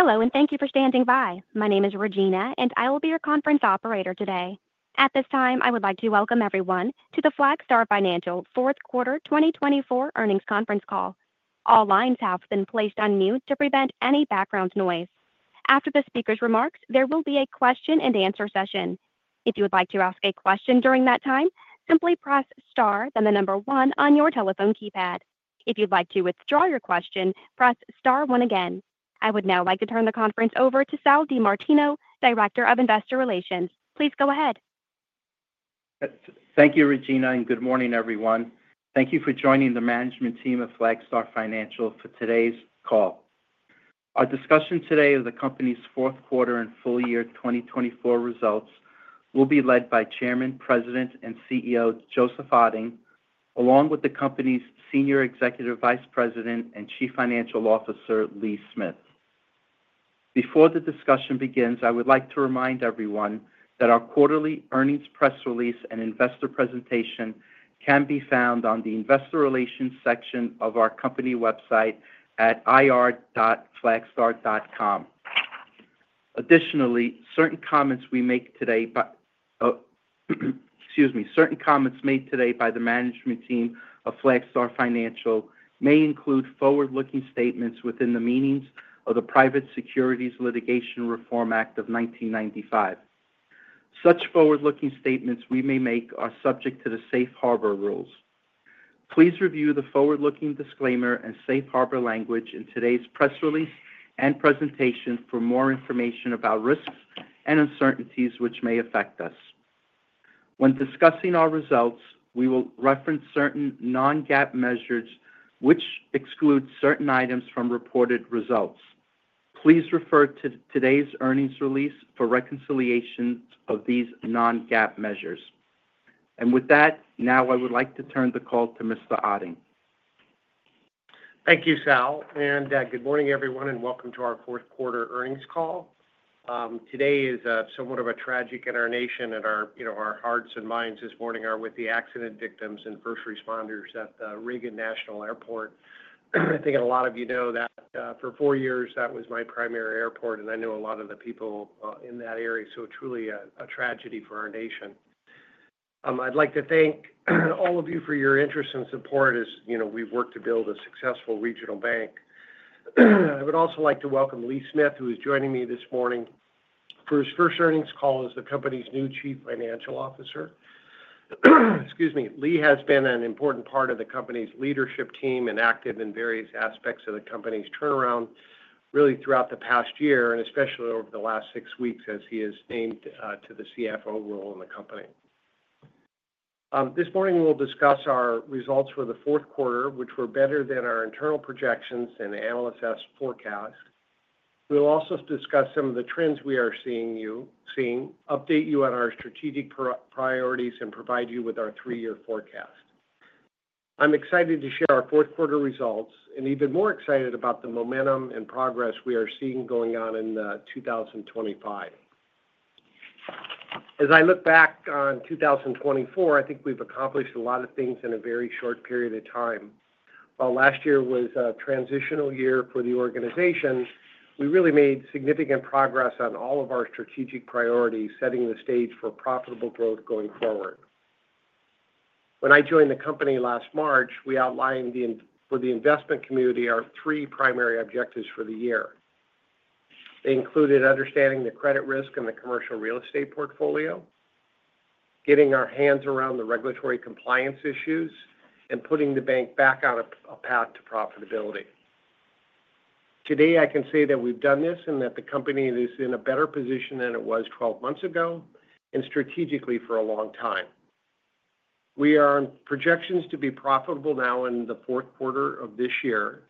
Hello, and thank you for standing by. My name is Regina, and I will be your conference operator today. At this time, I would like to welcome everyone to the Flagstar Financial Q4 2024 earnings conference call. All lines have been placed on mute to prevent any background noise. After the speaker's remarks, there will be a question and answer session. If you would like to ask a question during that time, simply press star, then the number one on your telephone keypad. If you'd like to withdraw your question, press Star one again. I would now like to turn the conference over to Sal DiMartino, Director of Investor Relations. Please go ahead. Thank you, Regina, and good morning, everyone. Thank you for joining the management team of Flagstar Financial for today's call. Our discussion today of the company's Q4 and FY2024 results will be led by Chairman, President, and CEO Joseph Otting, along with the company's Senior Executive Vice President and Chief Financial Officer, Lee Smith. Before the discussion begins, I would like to remind everyone that our quarterly earnings press release and investor presentation can be found on the Investor Relations section of our company website at ir.flagstar.com. Additionally, certain comments we make today, excuse me, certain comments made today by the management team of Flagstar Financial may include forward-looking statements within the meanings of the Private Securities Litigation Reform Act of 1995. Such forward-looking statements we may make are subject to the safe harbor rules. Please review the forward-looking disclaimer and safe harbor language in today's press release and presentation for more information about risks and uncertainties which may affect us. When discussing our results, we will reference certain non-GAAP measures, which exclude certain items from reported results. Please refer to today's earnings release for reconciliation of these non-GAAP measures. And with that, now I would like to turn the call to Mr. Otting. Thank you, Sal, and good morning, everyone, and welcome to our Q4 earnings call. Today is somewhat of a tragic situation in our hearts and minds this morning with the accident victims and first responders at Reagan National Airport. I think a lot of you know that for four years that was my primary airport, and I know a lot of the people in that area, so truly a tragedy for our nation. I'd like to thank all of you for your interest and support as we've worked to build a successful regional bank. I would also like to welcome Lee Smith, who is joining me this morning. For his first earnings call as the company's new Chief Financial Officer. Excuse me. Lee has been an important part of the company's leadership team and active in various aspects of the company's turnaround really throughout the past year and especially over the last six weeks as he has been named to the CFO role in the company. This morning, we'll discuss our results for the Q4, which were better than our internal projections and analysts' forecasts. We'll also discuss some of the trends we are seeing, update you on our strategic priorities, and provide you with our three-year forecast. I'm excited to share our Q4 results and even more excited about the momentum and progress we are seeing going on in 2025. As I look back on 2024, I think we've accomplished a lot of things in a very short period of time. While last year was a transitional year for the organization, we really made significant progress on all of our strategic priorities, setting the stage for profitable growth going forward. When I joined the company last March, we outlined for the investment community our three primary objectives for the year. They included understanding the credit risk and the commercial real estate portfolio, getting our hands around the regulatory compliance issues, and putting the bank back on a path to profitability. Today, I can say that we've done this and that the company is in a better position than it was 12 months ago and strategically for a long time. We are on projections to be profitable now in the Q4 of this year,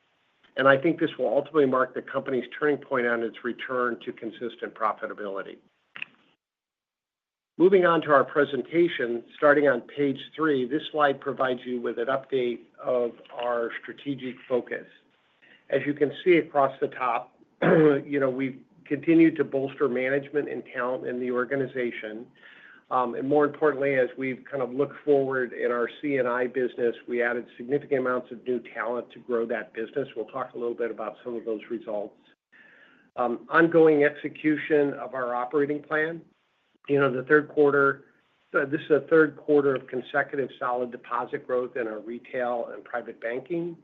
and I think this will ultimately mark the company's turning point on its return to consistent profitability. Moving on to our presentation, starting on page three, this slide provides you with an update of our strategic focus. As you can see across the top, we've continued to bolster management and talent in the organization, and more importantly, as we've kind of looked forward in our C&I business, we added significant amounts of new talent to grow that business. We'll talk a little bit about some of those results. Ongoing execution of our operating plan. This is the Q3 of consecutive solid deposit growth in our retail and private banking.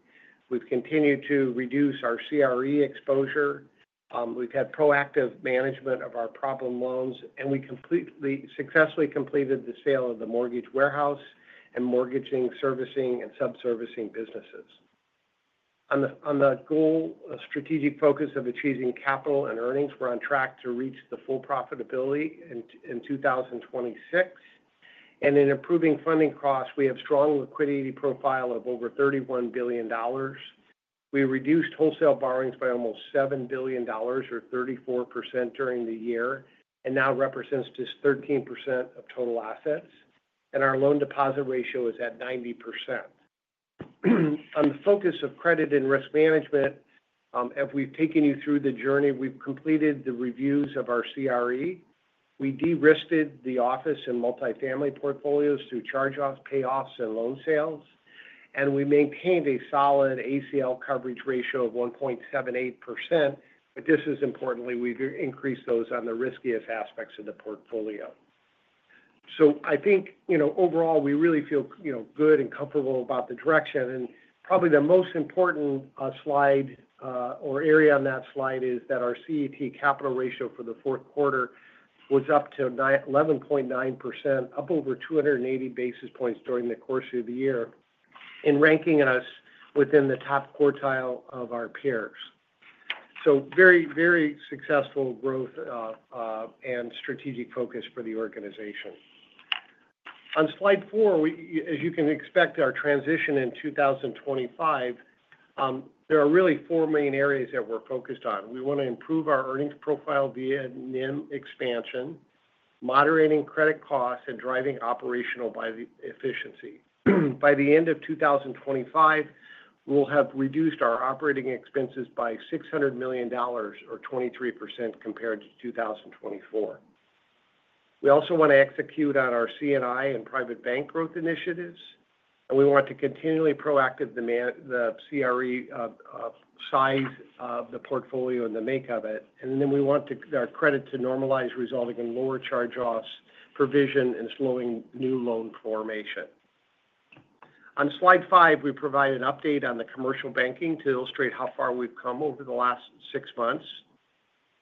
We've continued to reduce our CRE exposure. We've had proactive management of our problem loans, and we successfully completed the sale of the mortgage warehouse and mortgage servicing and subservicing businesses. On the goal of strategic focus of achieving capital and earnings, we're on track to reach the full profitability in 2026. And in improving funding costs, we have a strong liquidity profile of over $31 billion. We reduced wholesale borrowings by almost $7 billion, or 34%, during the year, and now represents just 13% of total assets. And our loan deposit ratio is at 90%. On the focus of credit and risk management, as we've taken you through the journey, we've completed the reviews of our CRE. We de-risked the office and multifamily portfolios through charge-offs, payoffs, and loan sales. And we maintained a solid ACL coverage ratio of 1.78%. But this is, importantly, we've increased those on the riskiest aspects of the portfolio. So I think overall, we really feel good and comfortable about the direction. Probably the most important slide or area on that slide is that our CET1 capital ratio for the Q4 was up to 11.9%, up over 280 basis points during the course of the year, and ranking us within the top quartile of our peers. So very, very successful growth and strategic focus for the organization. On slide four, as you can expect, our transition in 2025, there are really four main areas that we're focused on. We want to improve our earnings profile via NIM expansion, moderating credit costs, and driving operational efficiency. By the end of 2025, we'll have reduced our operating expenses by $600 million, or 23% compared to 2024. We also want to execute on our C&I and private bank growth initiatives. We want to continue to proactively manage the CRE size of the portfolio and the makeup of it. And then we want our credit to normalize, resulting in lower charge-offs, provision, and slowing new loan formation. On slide five, we provide an update on the commercial banking to illustrate how far we've come over the last six months.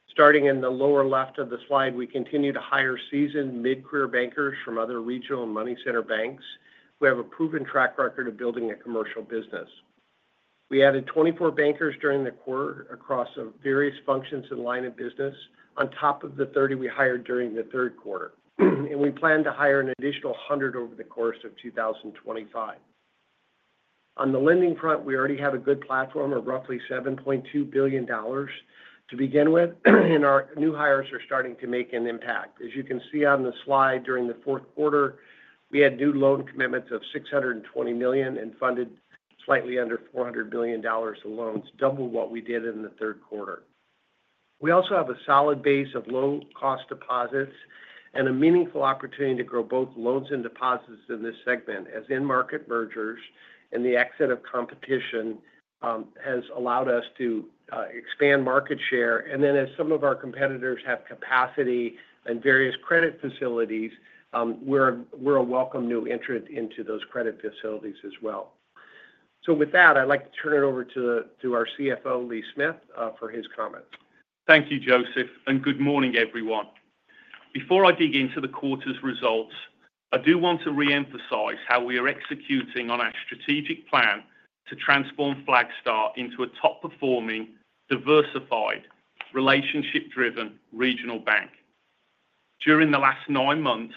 Starting in the lower left of the slide, we continue to hire seasoned mid-career bankers from other regional and money center banks who have a proven track record of building a commercial business. We added 24 bankers during the quarter across various functions and lines of business on top of the 30 we hired during the Q3. And we plan to hire an additional 100 over the course of 2025. On the lending front, we already have a good platform of roughly $7.2 billion to begin with. And our new hires are starting to make an impact. As you can see on the slide, during the Q4, we had new loan commitments of $620 million and funded slightly under $400 million of loans, double what we did in the Q3. We also have a solid base of low-cost deposits and a meaningful opportunity to grow both loans and deposits in this segment as in-market mergers and the exit of competition has allowed us to expand market share, and then as some of our competitors have capacity and various credit facilities, we're a welcome new entrant into those credit facilities as well, so with that, I'd like to turn it over to our CFO, Lee Smith, for his comments. Thank you, Joseph. And good morning, everyone. Before I dig into the quarter's results, I do want to re-emphasize how we are executing on our strategic plan to transform Flagstar into a top-performing, diversified, relationship-driven regional bank. During the last nine months,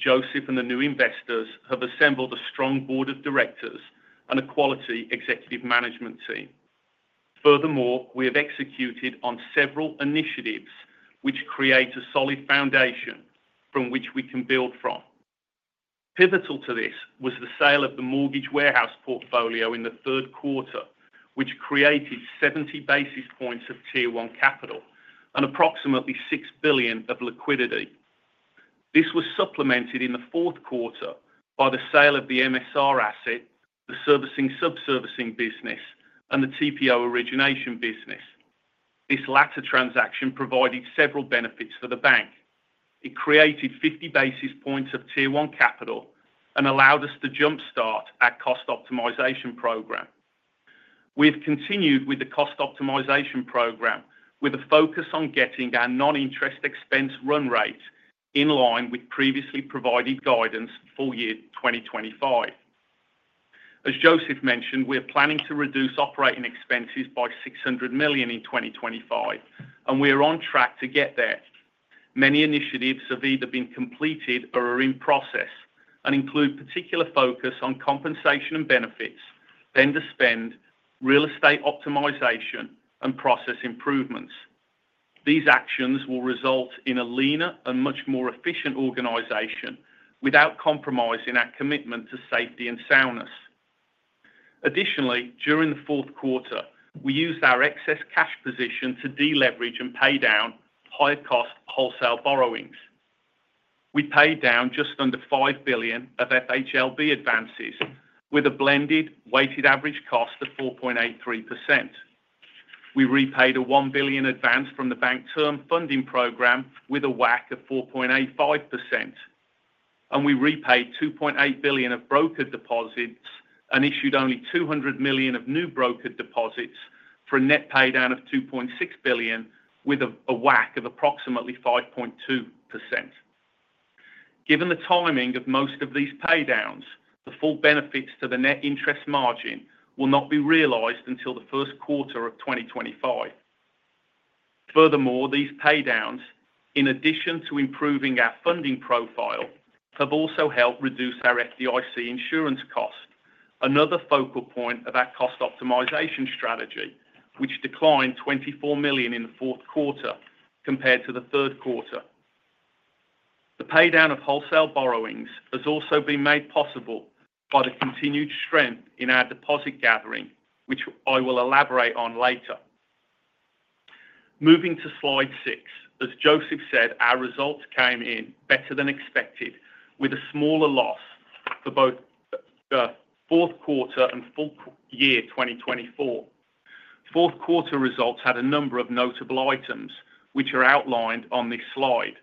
Joseph and the new investors have assembled a strong board of directors and a quality executive management team. Furthermore, we have executed on several initiatives which create a solid foundation from which we can build from. Pivotal to this was the sale of the mortgage warehouse portfolio in the Q3, which created 70 basis points of Tier 1 capital and approximately $6 billion of liquidity. This was supplemented in the Q4 by the sale of the MSR asset, the servicing sub-servicing business, and the TPO origination business. This latter transaction provided several benefits for the bank. It created 50 basis points of Tier 1 capital and allowed us to jump-start our cost optimization program. We have continued with the cost optimization program with a focus on getting our non-interest expense run rate in line with previously provided guidance for year 2025. As Joseph mentioned, we are planning to reduce operating expenses by $600 million in 2025, and we are on track to get there. Many initiatives have either been completed or are in process and include particular focus on compensation and benefits, vendor spend, real estate optimization, and process improvements. These actions will result in a leaner and much more efficient organization without compromising our commitment to safety and soundness. Additionally, during the Q4, we used our excess cash position to deleverage and pay down higher-cost wholesale borrowings. We paid down just under $5 billion of FHLB advances with a blended weighted average cost of 4.83%. We repaid a $1 billion advance from the Bank Term Funding Program with a WAC of 4.85%, and we repaid $2.8 billion of brokered deposits and issued only $200 million of new brokered deposits for a net paydown of $2.6 billion with a WAC of approximately 5.2%. Given the timing of most of these paydowns, the full benefits to the net interest margin will not be realized until the Q1 of 2025. Furthermore, these paydowns, in addition to improving our funding profile, have also helped reduce our FDIC insurance cost, another focal point of our cost optimization strategy, which declined $24 million in the Q4 compared to the Q3. The paydown of wholesale borrowings has also been made possible by the continued strength in our deposit gathering, which I will elaborate on later. Moving to slide six, as Joseph said, our results came in better than expected with a smaller loss for both the Q4 and FY2024. Q4 results had a number of notable items, which are outlined on this slide.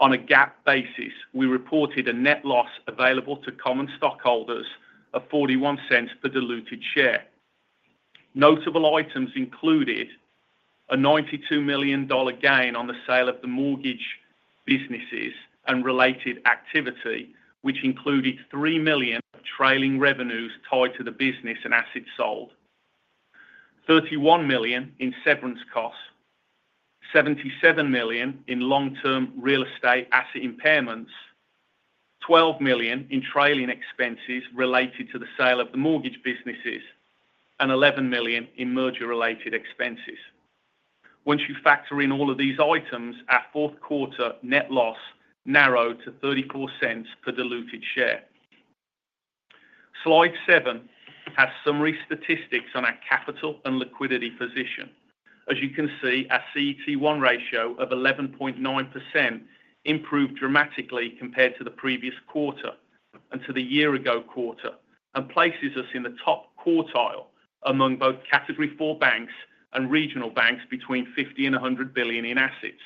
On a GAAP basis, we reported a net loss available to common stockholders of $0.41 per diluted share. Notable items included a $92 million gain on the sale of the mortgage businesses and related activity, which included $3 million of trailing revenues tied to the business and assets sold, $31 million in severance costs, $77 million in long-term real estate asset impairments, $12 million in trailing expenses related to the sale of the mortgage businesses, and $11 million in merger-related expenses. Once you factor in all of these items, our Q4 net loss narrowed to $0.34 per diluted share. Slide seven has summary statistics on our capital and liquidity position. As you can see, our CET1 ratio of 11.9% improved dramatically compared to the previous quarter and to the year-ago quarter and places us in the top quartile among both Category IV banks and regional banks between $50 and $100 billion in assets.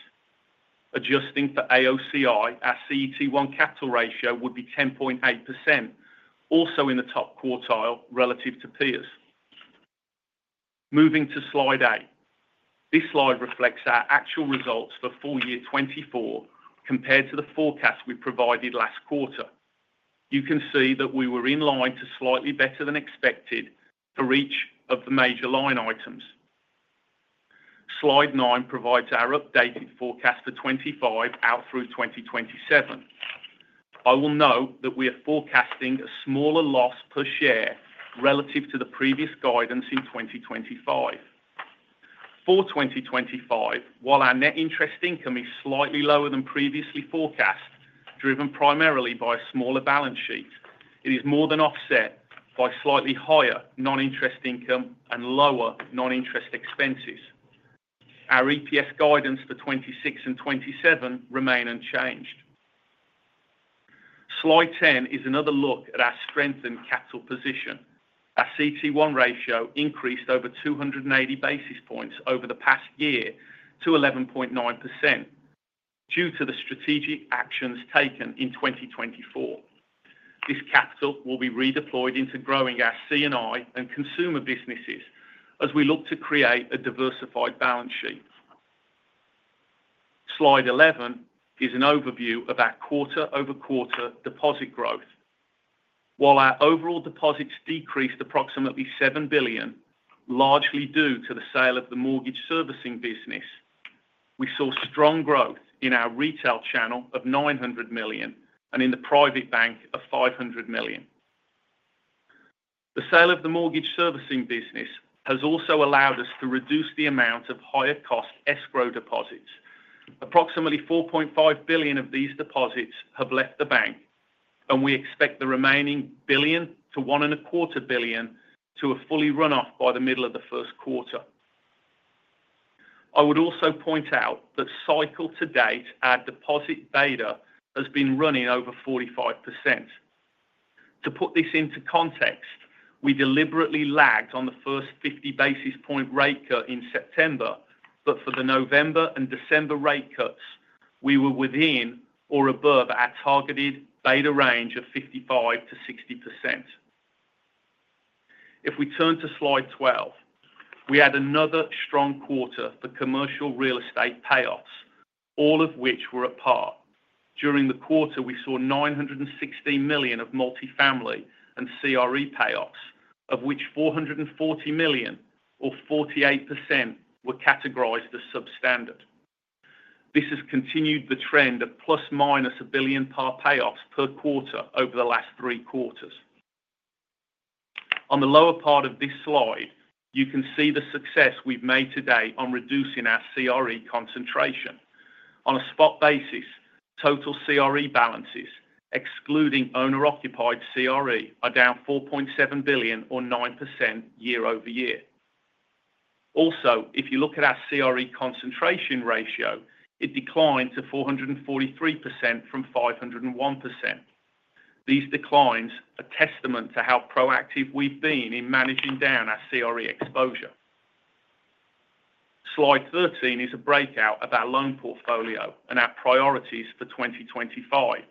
Adjusting for AOCI, our CET1 capital ratio would be 10.8%, also in the top quartile relative to peers. Moving to slide eight, this slide reflects our actual results for FY2024 compared to the forecast we provided last quarter. You can see that we were in line to slightly better than expected for each of the major line items. Slide nine provides our updated forecast for 2025 out through 2027. I will note that we are forecasting a smaller loss per share relative to the previous guidance in 2025. For 2025, while our net interest income is slightly lower than previously forecast, driven primarily by a smaller balance sheet, it is more than offset by slightly higher non-interest income and lower non-interest expenses. Our EPS guidance for 2026 and 2027 remain unchanged. Slide 10 is another look at our strengthened capital position. Our CET1 ratio increased over 280 basis points over the past year to 11.9% due to the strategic actions taken in 2024. This capital will be redeployed into growing our C&I and consumer businesses as we look to create a diversified balance sheet. Slide 11 is an overview of our quarter-over-quarter deposit growth. While our overall deposits decreased approximately $7 billion, largely due to the sale of the mortgage servicing business, we saw strong growth in our retail channel of $900 million and in the private bank of $500 million. The sale of the mortgage servicing business has also allowed us to reduce the amount of higher-cost escrow deposits. Approximately $4.5 billion of these deposits have left the bank, and we expect the remaining $1 billion to $1.25 billion to have fully run off by the middle of the Q1. I would also point out that cycle to date, our deposit beta has been running over 45%. To put this into context, we deliberately lagged on the first 50 basis points rate cut in September, but for the November and December rate cuts, we were within or above our targeted beta range of 55%-60%. If we turn to slide 12, we had another strong quarter for commercial real estate payoffs, all of which were at par. During the quarter, we saw $916 million of multifamily and CRE payoffs, of which $440 million, or 48%, were categorized as substandard. This has continued the trend of plus-minus a billion-par payoffs per quarter over the last three quarters. On the lower part of this slide, you can see the success we've made today on reducing our CRE concentration. On a spot basis, total CRE balances, excluding owner-occupied CRE, are down $4.7 billion, or 9% year-over-year. Also, if you look at our CRE concentration ratio, it declined to 443% from 501%. These declines are testament to how proactive we've been in managing down our CRE exposure. Slide 13 is a breakout of our loan portfolio and our priorities for 2025.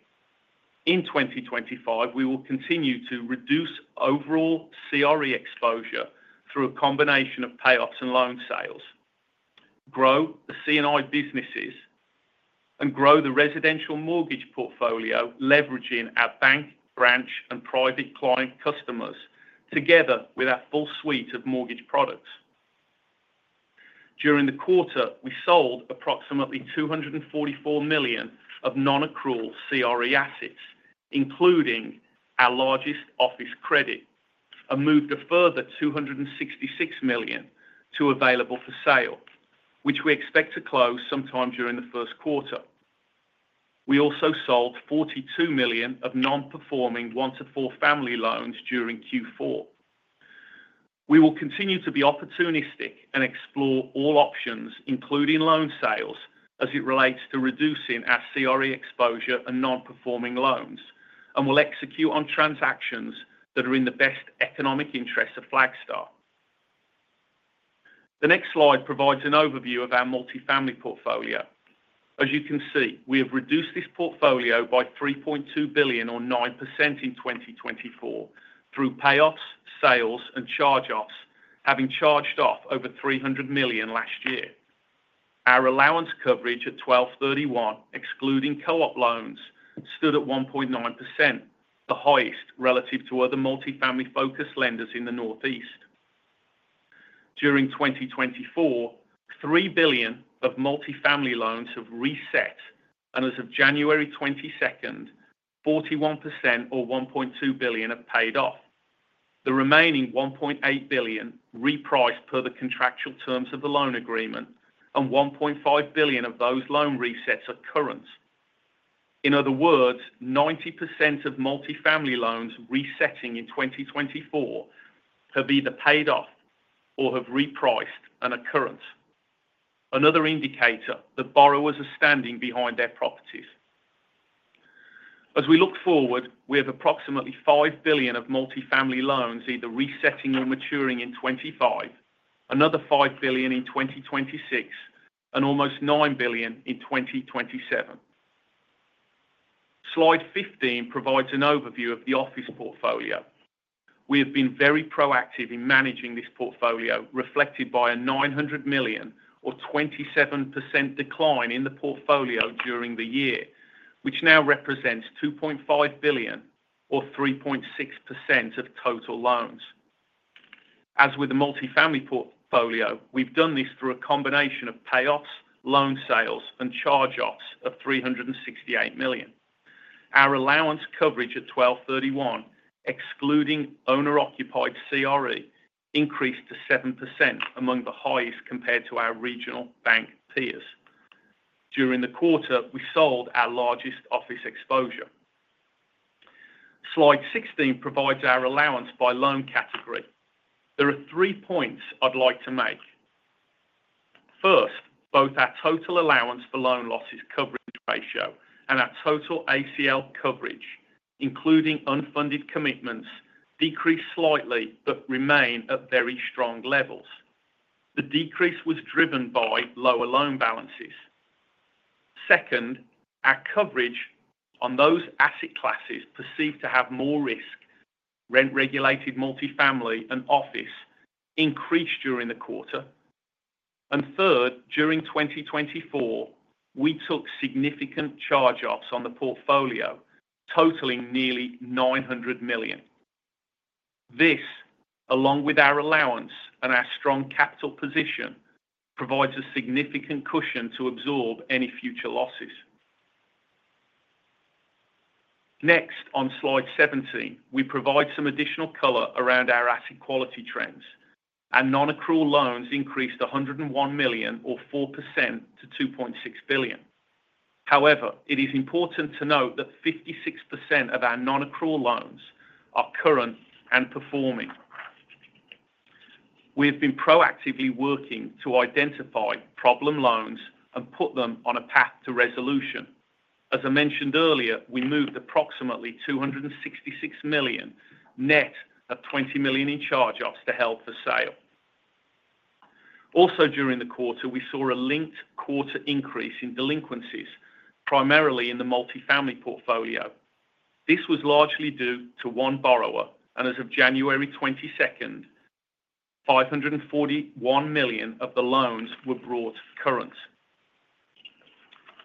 In 2025, we will continue to reduce overall CRE exposure through a combination of payoffs and loan sales, grow the C&I businesses, and grow the residential mortgage portfolio, leveraging our bank branch and private client customers together with our full suite of mortgage products. During the quarter, we sold approximately $244 million of non-accrual CRE assets, including our largest office credit, and moved a further $266 million to available for sale, which we expect to close sometime during the Q1. We also sold $42 million of non-performing 1 to 4 family loans during Q4. We will continue to be opportunistic and explore all options, including loan sales, as it relates to reducing our CRE exposure and non-performing loans, and will execute on transactions that are in the best economic interest of Flagstar. The next slide provides an overview of our multifamily portfolio. As you can see, we have reduced this portfolio by $3.2 billion, or 9% in 2024, through payoffs, sales, and charge-offs, having charged off over $300 million last year. Our allowance coverage at December 31, excluding co-op loans, stood at 1.9%, the highest relative to other multifamily-focused lenders in the northeast. During 2024, $3 billion of multifamily loans have reset, and as of January 22nd, 41%, or $1.2 billion, have paid off. The remaining $1.8 billion repriced per the contractual terms of the loan agreement, and $1.5 billion of those loan resets are current. In other words, 90% of multifamily loans resetting in 2024 have either paid off or have repriced and are current. Another indicator that borrowers are standing behind their properties. As we look forward, we have approximately $5 billion of multifamily loans either resetting or maturing in 2025, another $5 billion in 2026, and almost $9 billion in 2027. Slide 15 provides an overview of the office portfolio. We have been very proactive in managing this portfolio, reflected by a $900 million, or 27%, decline in the portfolio during the year, which now represents $2.5 billion, or 3.6%, of total loans. As with the multifamily portfolio, we've done this through a combination of payoffs, loan sales, and charge-offs of $368 million. Our allowance coverage at 12/31, excluding owner-occupied CRE, increased to 7%, among the highest compared to our regional bank peers. During the quarter, we sold our largest office exposure. Slide 16 provides our allowance by loan category. There are three points I'd like to make. First, both our total allowance for loan losses coverage ratio and our total ACL coverage, including unfunded commitments, decreased slightly but remain at very strong levels. The decrease was driven by lower loan balances. Second, our coverage on those asset classes perceived to have more risk, rent-regulated multifamily and office, increased during the quarter. And third, during 2024, we took significant charge-offs on the portfolio, totaling nearly $900 million. This, along with our allowance and our strong capital position, provides a significant cushion to absorb any future losses. Next, on slide 17, we provide some additional color around our asset quality trends. Our non-accrual loans increased $101 million, or 4%, to $2.6 billion. However, it is important to note that 56% of our non-accrual loans are current and performing. We have been proactively working to identify problem loans and put them on a path to resolution. As I mentioned earlier, we moved approximately $266 million net of $20 million in charge-offs to help the sale. Also, during the quarter, we saw a linked quarter increase in delinquencies, primarily in the multifamily portfolio. This was largely due to one borrower, and as of January 22nd, $541 million of the loans were brought current.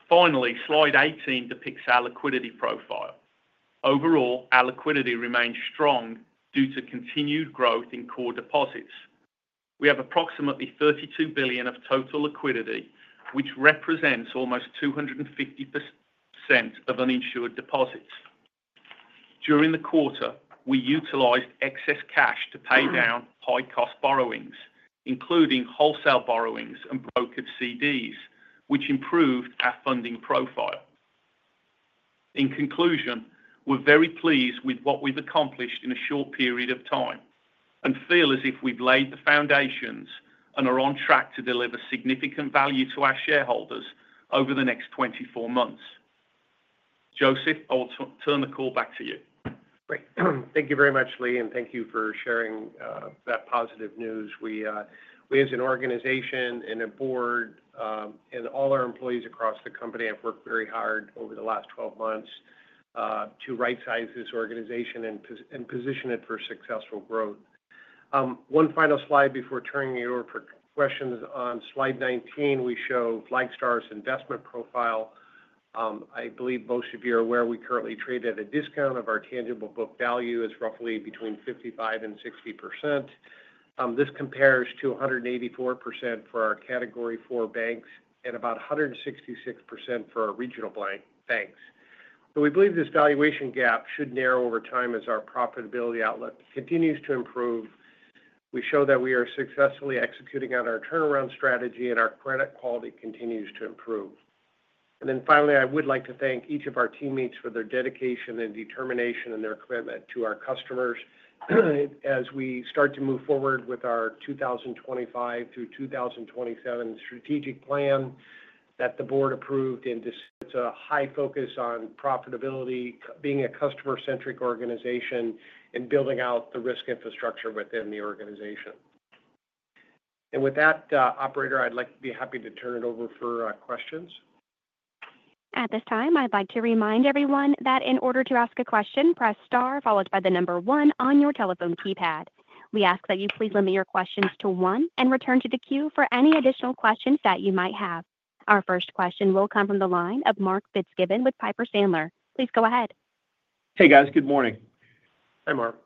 Finally, slide 18 depicts our liquidity profile. Overall, our liquidity remained strong due to continued growth in core deposits. We have approximately $32 billion of total liquidity, which represents almost 250% of uninsured deposits. During the quarter, we utilized excess cash to pay down high-cost borrowings, including wholesale borrowings and brokered CDs, which improved our funding profile. In conclusion, we're very pleased with what we've accomplished in a short period of time and feel as if we've laid the foundations and are on track to deliver significant value to our shareholders over the next 24 months. Joseph, I'll turn the call back to you. Great. Thank you very much, Lee, and thank you for sharing that positive news. We, as an organization and a board and all our employees across the company, have worked very hard over the last 12 months to right-size this organization and position it for successful growth. One final slide before turning it over for questions. On slide 19, we show Flagstar's investment profile. I believe most of you are aware we currently trade at a discount. Our tangible book value is roughly between 55% and 60%. This compares to 184% for our category four banks and about 166% for our regional banks. So we believe this valuation gap should narrow over time as our profitability outlook continues to improve. We show that we are successfully executing on our turnaround strategy, and our credit quality continues to improve. And then finally, I would like to thank each of our teammates for their dedication and determination and their commitment to our customers as we start to move forward with our 2025 through 2027 strategic plan that the board approved. It's a high focus on profitability, being a customer-centric organization, and building out the risk infrastructure within the organization. And with that, Operator, I'd be happy to turn it over for questions. At this time, I'd like to remind everyone that in order to ask a question, press star followed by the number one on your telephone keypad. We ask that you please limit your questions to one and return to the queue for any additional questions that you might have. Our first question will come from the line of Mark Fitzgibbon with Piper Sandler. Please go ahead. Hey, guys. Good morning. Hey, Mark.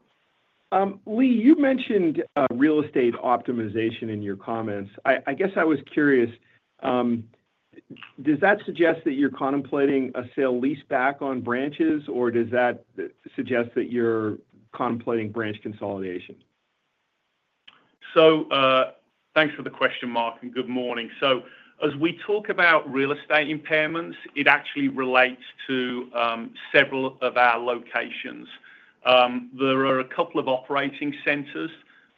Lee, you mentioned real estate optimization in your comments. I guess I was curious, does that suggest that you're contemplating a sale lease back on branches, or does that suggest that you're contemplating branch consolidation? So thanks for the question, Mark, and good morning. So as we talk about real estate impairments, it actually relates to several of our locations. There are a couple of operating centers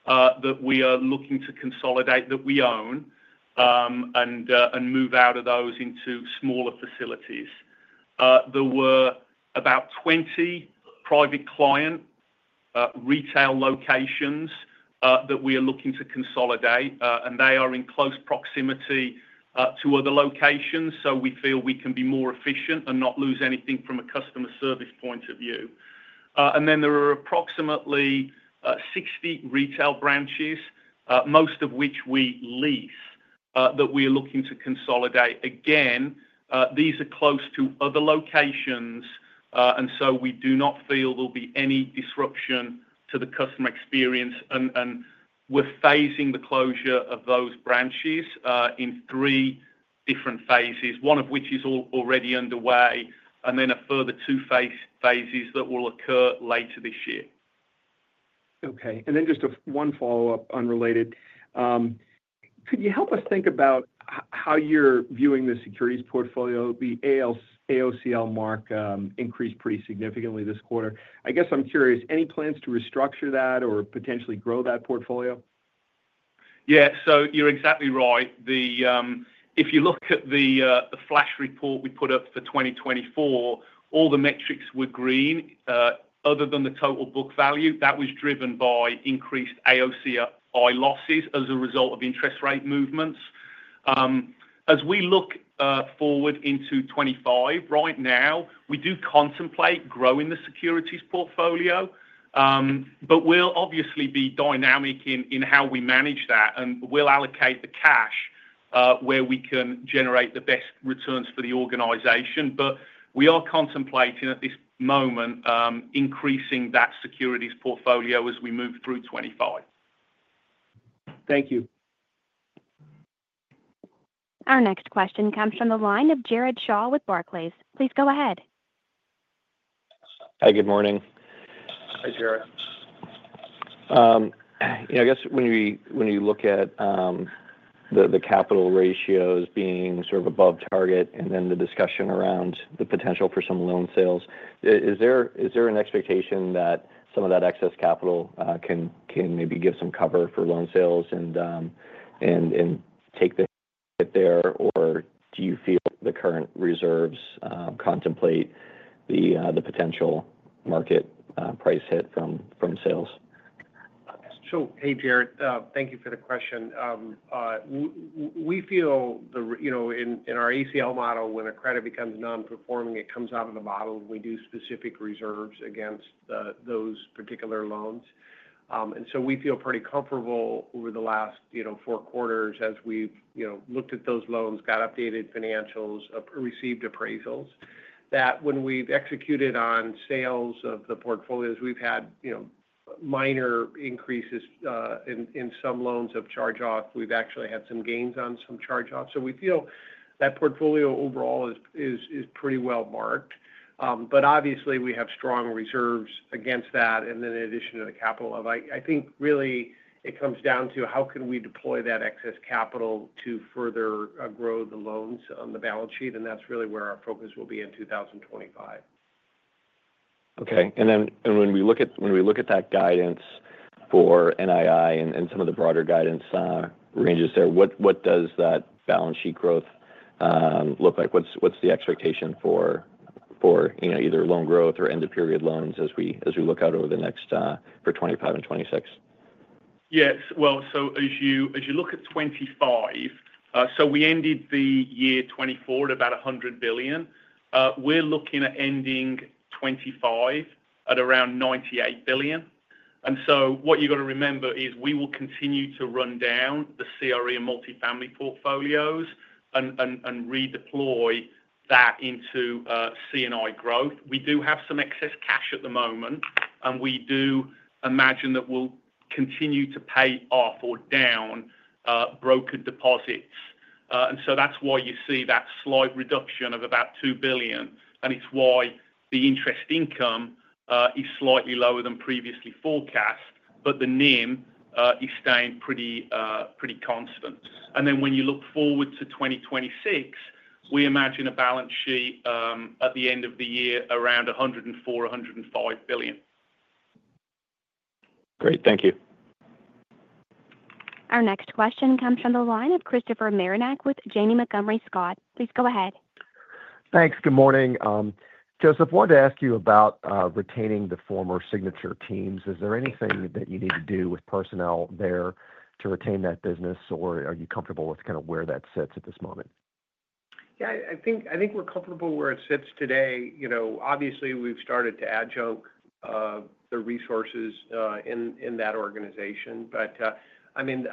that we are looking to consolidate that we own and move out of those into smaller facilities. There were about 20 private client retail locations that we are looking to consolidate, and they are in close proximity to other locations, so we feel we can be more efficient and not lose anything from a customer service point of view. And then there are approximately 60 retail branches, most of which we lease, that we are looking to consolidate. Again, these are close to other locations, and so we do not feel there'll be any disruption to the customer experience. We're phasing the closure of those branches in three different phases, one of which is already underway, and then a further two phases that will occur later this year. Okay. And then just one follow-up unrelated. Could you help us think about how you're viewing the securities portfolio? The AOCI mark increased pretty significantly this quarter. I guess I'm curious, any plans to restructure that or potentially grow that portfolio? Yeah. So you're exactly right. If you look at the Flash report we put up for 2024, all the metrics were green other than the total book value. That was driven by increased AOCI losses as a result of interest rate movements. As we look forward into 2025, right now, we do contemplate growing the securities portfolio, but we'll obviously be dynamic in how we manage that, and we'll allocate the cash where we can generate the best returns for the organization. But we are contemplating at this moment increasing that securities portfolio as we move through 2025. Thank you. Our next question comes from the line of Jared Shaw with Barclays. Please go ahead. Hi, good morning. Hi, Jared. I guess when you look at the capital ratios being sort of above target and then the discussion around the potential for some loan sales, is there an expectation that some of that excess capital can maybe give some cover for loan sales and take the hit there, or do you feel the current reserves contemplate the potential market price hit from sales? Hey, Jared, thank you for the question. We feel in our ACL model, when a credit becomes non-performing, it comes out of the pool, and we do specific reserves against those particular loans. We feel pretty comfortable over the last four quarters as we've looked at those loans, got updated financials, received appraisals, that when we've executed on sales of the portfolios, we've had minor increases in some loans of charge-off. We've actually had some gains on some charge-offs. We feel that portfolio overall is pretty well marked. But obviously, we have strong reserves against that, and then in addition to the capital level, I think really it comes down to how can we deploy that excess capital to further grow the loans on the balance sheet, and that's really where our focus will be in 2025. Okay, and then when we look at that guidance for NII and some of the broader guidance ranges there, what does that balance sheet growth look like? What's the expectation for either loan growth or end-of-period loans as we look out over the next four, 2025 and 2026? Yes. Well, so as you look at 2025, so we ended the year 2024 at about $100 billion. We're looking at ending 2025 at around $98 billion. And so what you've got to remember is we will continue to run down the CRE and multifamily portfolios and redeploy that into C&I growth. We do have some excess cash at the moment, and we do imagine that we'll continue to pay off or down brokered deposits. And so that's why you see that slight reduction of about $2 billion, and it's why the interest income is slightly lower than previously forecast, but the NIM is staying pretty constant. And then when you look forward to 2026, we imagine a balance sheet at the end of the year around $104-$105 billion. Great. Thank you. Our next question comes from the line of Christopher Marinac with Janney Montgomery Scott. Please go ahead. Thanks. Good morning. Joseph, I wanted to ask you about retaining the former Signature teams. Is there anything that you need to do with personnel there to retain that business, or are you comfortable with kind of where that sits at this moment? Yeah. I think we're comfortable where it sits today. Obviously, we've started to adjunct the resources in that organization. But I mean,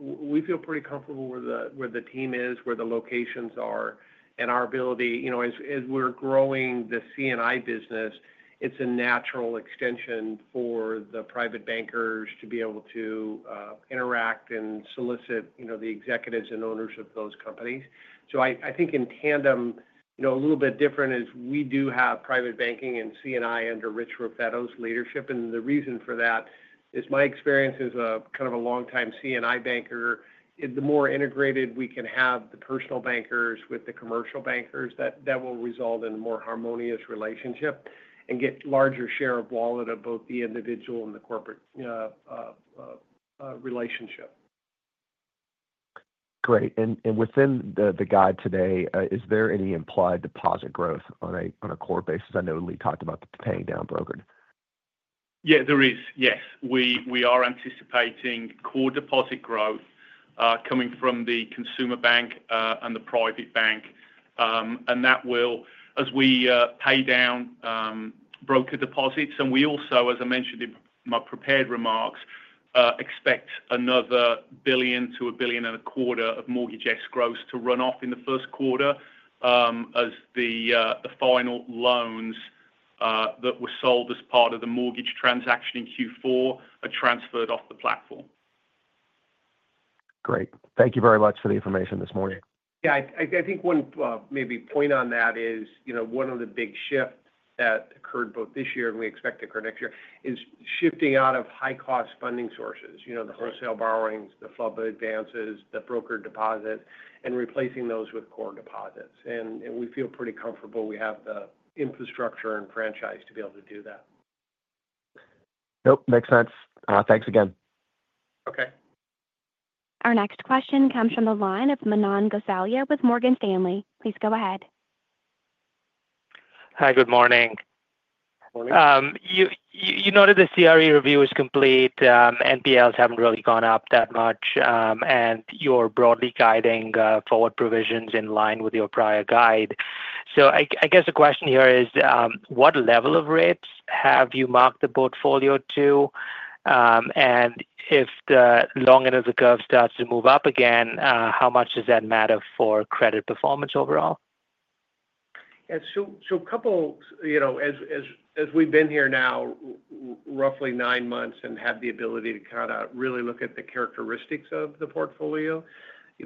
we feel pretty comfortable where the team is, where the locations are, and our ability. As we're growing the C&I business, it's a natural extension for the private bankers to be able to interact and solicit the executives and owners of those companies. So I think in tandem, a little bit different is we do have private banking and C&I under Rich Raffetto's leadership. And the reason for that is my experience as kind of a longtime C&I banker, the more integrated we can have the personal bankers with the commercial bankers, that will result in a more harmonious relationship and get a larger share of wallet of both the individual and the corporate relationship. Great. And within the guide today, is there any implied deposit growth on a core basis? I know Lee talked about paying down brokered. Yeah, there is. Yes. We are anticipating core deposit growth coming from the consumer bank and the private bank, and that will, as we pay down brokered deposits, and we also, as I mentioned in my prepared remarks, expect another $1 billion to $1.25 billion of mortgage escrows to run off in the Q1 as the final loans that were sold as part of the mortgage transaction in Q4 are transferred off the platform. Great. Thank you very much for the information this morning. Yeah. I think one maybe point on that is one of the big shifts that occurred both this year and we expect to occur next year is shifting out of high-cost funding sources, the wholesale borrowings, the FHLB advances, the brokered deposits, and replacing those with core deposits, and we feel pretty comfortable we have the infrastructure and franchise to be able to do that. Yep. Makes sense. Thanks again. Okay. Our next question comes from the line of Manan Gosalia with Morgan Stanley. Please go ahead. Hi, good morning. Morning. You noted the CRE review is complete. NPLs haven't really gone up that much, and you're broadly guiding forward provisions in line with your prior guide. So I guess the question here is, what level of rates have you marked the portfolio to? And if the long end of the curve starts to move up again, how much does that matter for credit performance overall? Yeah. So, as we've been here now roughly nine months and have the ability to kind of really look at the characteristics of the portfolio,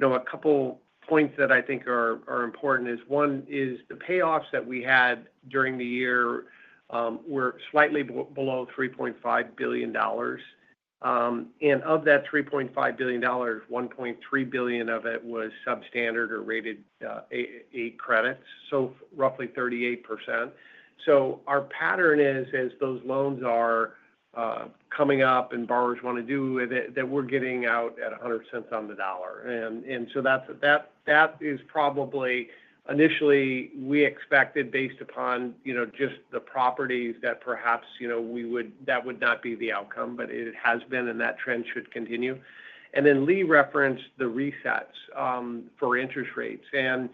a couple points that I think are important is one is the payoffs that we had during the year were slightly below $3.5 billion. And of that $3.5 billion, $1.3 billion of it was substandard or rated A credits, so roughly 38%. So our pattern is, as those loans are coming up and borrowers want to do with it, that we're getting out at 100 cents on the dollar. And so that is probably initially we expected based upon just the properties that perhaps we would not be the outcome, but it has been, and that trend should continue. And then Lee referenced the resets for interest rates. And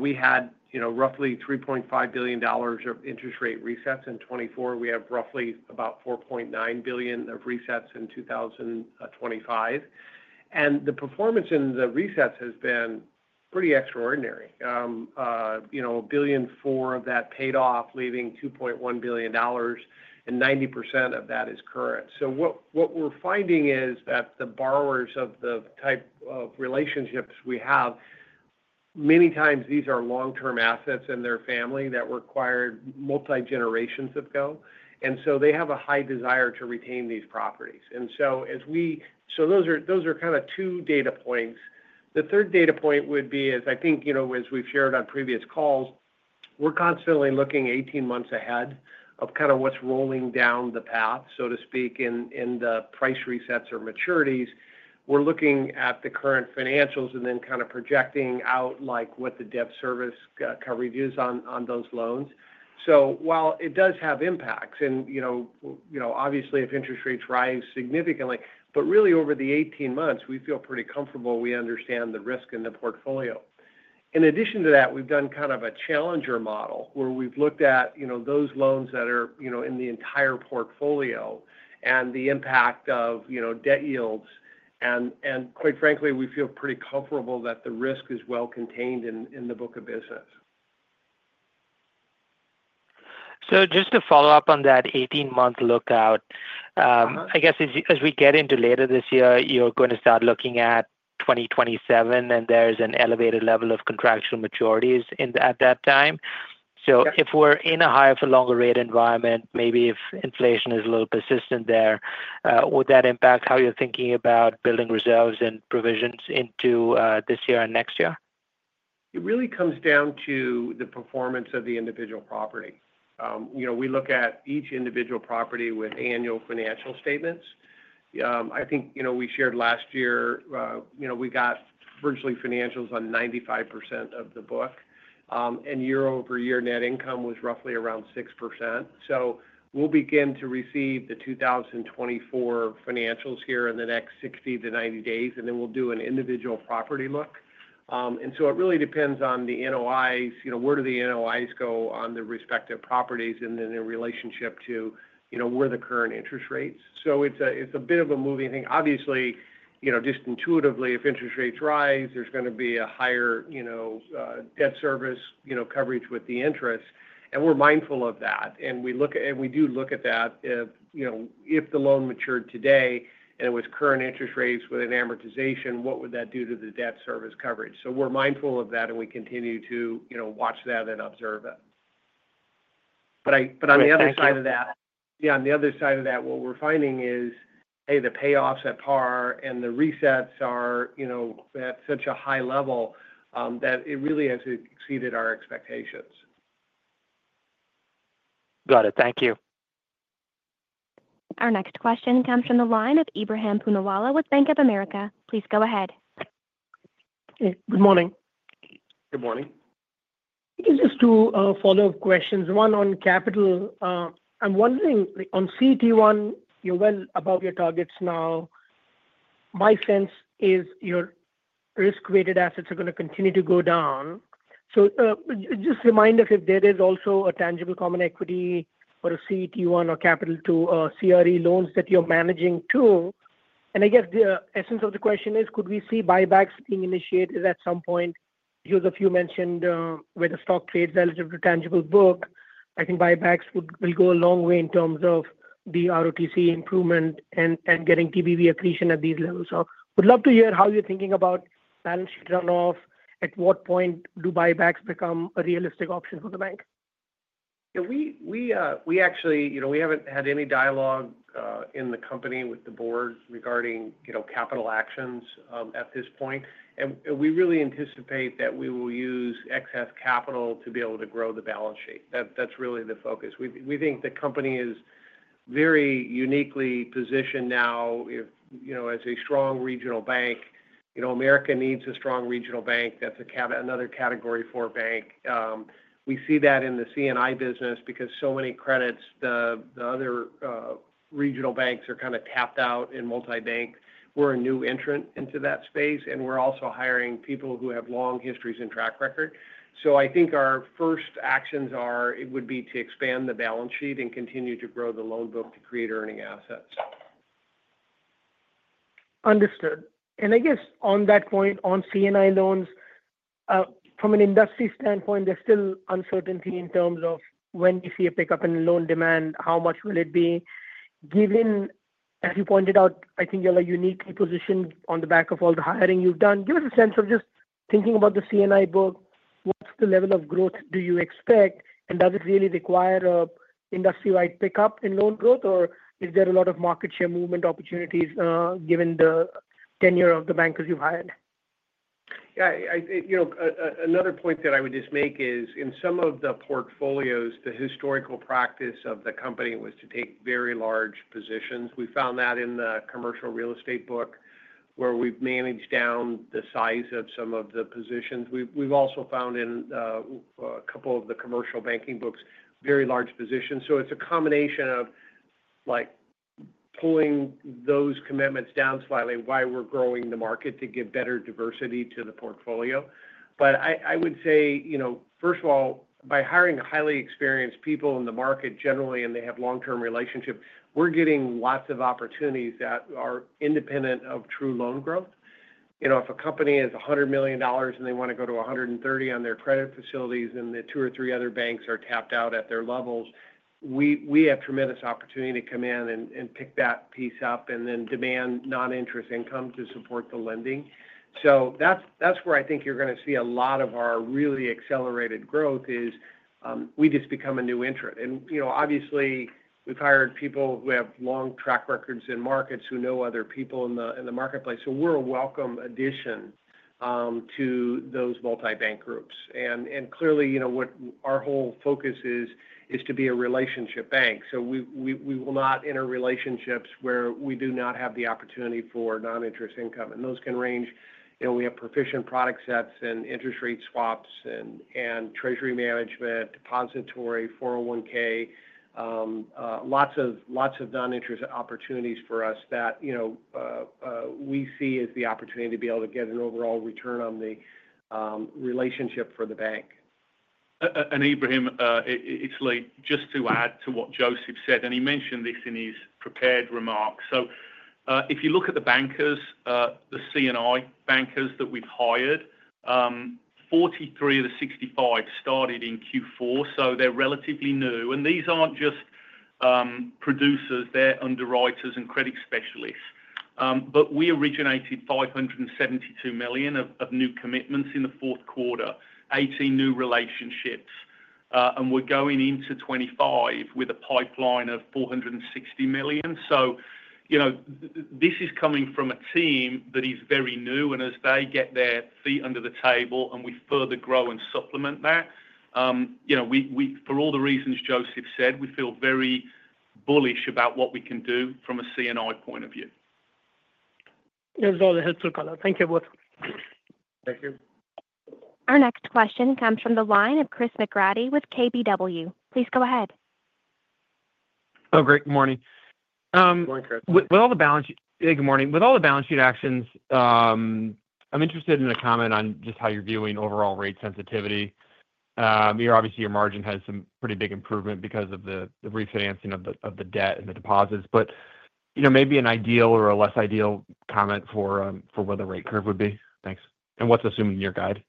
we had roughly $3.5 billion of interest rate resets in 2024. We have roughly about $4.9 billion of resets in 2025, and the performance in the resets has been pretty extraordinary. $1.4 billion of that paid off, leaving $2.1 billion, and 90% of that is current, so what we're finding is that the borrowers of the type of relationships we have, many times these are long-term assets in their family that required multi-generations to go, and so they have a high desire to retain these properties, and so as we, those are kind of two data points. The third data point would be, I think as we've shared on previous calls, we're constantly looking 18 months ahead of kind of what's rolling down the path, so to speak, in the price resets or maturities. We're looking at the current financials and then kind of projecting out what the debt service coverage is on those loans. So while it does have impacts, and obviously if interest rates rise significantly, but really over the 18 months, we feel pretty comfortable we understand the risk in the portfolio. In addition to that, we've done kind of a challenger model where we've looked at those loans that are in the entire portfolio and the impact of debt yields. And quite frankly, we feel pretty comfortable that the risk is well contained in the book of business. So just to follow up on that 18-month lookout, I guess as we get into later this year, you're going to start looking at 2027, and there's an elevated level of contractual maturities at that time. So if we're in a higher-for-longer rate environment, maybe if inflation is a little persistent there, would that impact how you're thinking about building reserves and provisions into this year and next year? It really comes down to the performance of the individual property. We look at each individual property with annual financial statements. I think we shared last year, we got virtually financials on 95% of the book, and year-over-year net income was roughly around 6%. So we'll begin to receive the 2024 financials here in the next 60-90 days, and then we'll do an individual property look. And so it really depends on the NOIs, where do the NOIs go on the respective properties, and then in relationship to where the current interest rates. So it's a bit of a moving thing. Obviously, just intuitively, if interest rates rise, there's going to be a higher debt service coverage with the interest. And we're mindful of that. And we do look at that. If the loan matured today and it was current interest rates with an amortization, what would that do to the debt service coverage? So we're mindful of that, and we continue to watch that and observe it. But on the other side of that. So what's happening? Yeah. On the other side of that, what we're finding is, hey, the payoffs at par and the resets are at such a high level that it really has exceeded our expectations. Got it. Thank you. Our next question comes from the line of Ebraham Poonawalla with Bank of America. Please go ahead. Hey. Good morning. Good morning. Just two follow-up questions. One on capital. I'm wondering, on CET1, you're well above your targets now. My sense is your risk-weighted assets are going to continue to go down. So just remind us if there is also a tangible common equity or a CET1 or capital to CRE loans that you're managing too. And I guess the essence of the question is, could we see buybacks being initiated at some point? Joseph, you mentioned where the stock trades relative to tangible book. I think buybacks will go a long way in terms of the ROTC improvement and getting TBV accretion at these levels. So would love to hear how you're thinking about balance sheet runoff. At what point do buybacks become a realistic option for the bank? Yeah. We actually haven't had any dialogue in the company with the board regarding capital actions at this point. And we really anticipate that we will use excess capital to be able to grow the balance sheet. That's really the focus. We think the company is very uniquely positioned now as a strong regional bank. America needs a strong regional bank. That's another category for a bank. We see that in the C&I business because so many credits, the other regional banks are kind of tapped out in multi-bank. We're a new entrant into that space, and we're also hiring people who have long histories and track record. So I think our first actions would be to expand the balance sheet and continue to grow the loan book to create earning assets. Understood, and I guess on that point, on C&I loans, from an industry standpoint, there's still uncertainty in terms of when you see a pickup in loan demand, how much will it be? Given, as you pointed out, I think you're uniquely positioned on the back of all the hiring you've done. Give us a sense of just thinking about the C&I book. What's the level of growth do you expect? And does it really require an industry-wide pickup in loan growth, or is there a lot of market share movement opportunities given the tenure of the bankers you've hired? Yeah. Another point that I would just make is in some of the portfolios, the historical practice of the company was to take very large positions. We found that in the commercial real estate book where we've managed down the size of some of the positions. We've also found in a couple of the commercial banking books, very large positions. So it's a combination of pulling those commitments down slightly while we're growing the market to give better diversity to the portfolio. But I would say, first of all, by hiring highly experienced people in the market generally, and they have long-term relationships, we're getting lots of opportunities that are independent of true loan growth. If a company has $100 million and they want to go to $130 on their credit facilities and the two or three other banks are tapped out at their levels, we have tremendous opportunity to come in and pick that piece up and then demand non-interest income to support the lending, so that's where I think you're going to see a lot of our really accelerated growth is we just become a new entrant, and obviously, we've hired people who have long track records in markets who know other people in the marketplace, so we're a welcome addition to those multi-bank groups, and clearly, our whole focus is to be a relationship bank, so we will not enter relationships where we do not have the opportunity for non-interest income. And those can range. We have proficient product sets and interest rate waps and treasury management, depository, 41k, lots of non-interest opportunities for us that we see as the opportunity to be able to get an overall return on the relationship for the bank. Ebraham, it's Lee just to add to what Joseph said, and he mentioned this in his prepared remarks. So if you look at the bankers, the C&I bankers that we've hired, 43 of the 65 started in Q4, so they're relatively new. And these aren't just producers, they're underwriters and credit specialists. But we originated $572 million of new commitments in the Q4, 18 new relationships. And we're going into 2025 with a pipeline of $460 million. So this is coming from a team that is very new. And as they get their feet under the table and we further grow and supplement that, for all the reasons Joseph said, we feel very bullish about what we can do from a C&I point of view. That was all the helpful color. Thank you both. Thank you. Our next question comes from the line of Chris McGratty with KBW. Please go ahead. Oh, great. Good morning. Good morning, Chris. Good morning. With all the balance sheet actions, I'm interested in a comment on just how you're viewing overall rate sensitivity. Obviously, your margin has some pretty big improvement because of the refinancing of the debt and the deposits. But maybe an ideal or a less ideal comment for what the rate curve would be. Thanks. And what's assumed in your guide?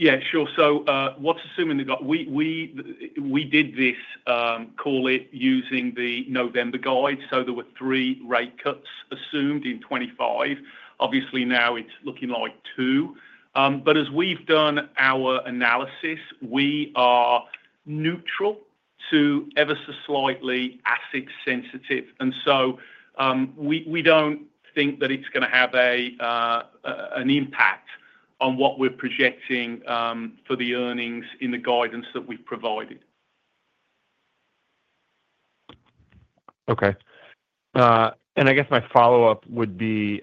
Yeah. Sure. So what's assumed in the way we did this call using the November guide. So there were three rate cuts assumed in 2025. Obviously, now it's looking like two. But as we've done our analysis, we are neutral to ever so slightly asset sensitive. And so we don't think that it's going to have an impact on what we're projecting for the earnings in the guidance that we've provided. Okay, and I guess my follow-up would be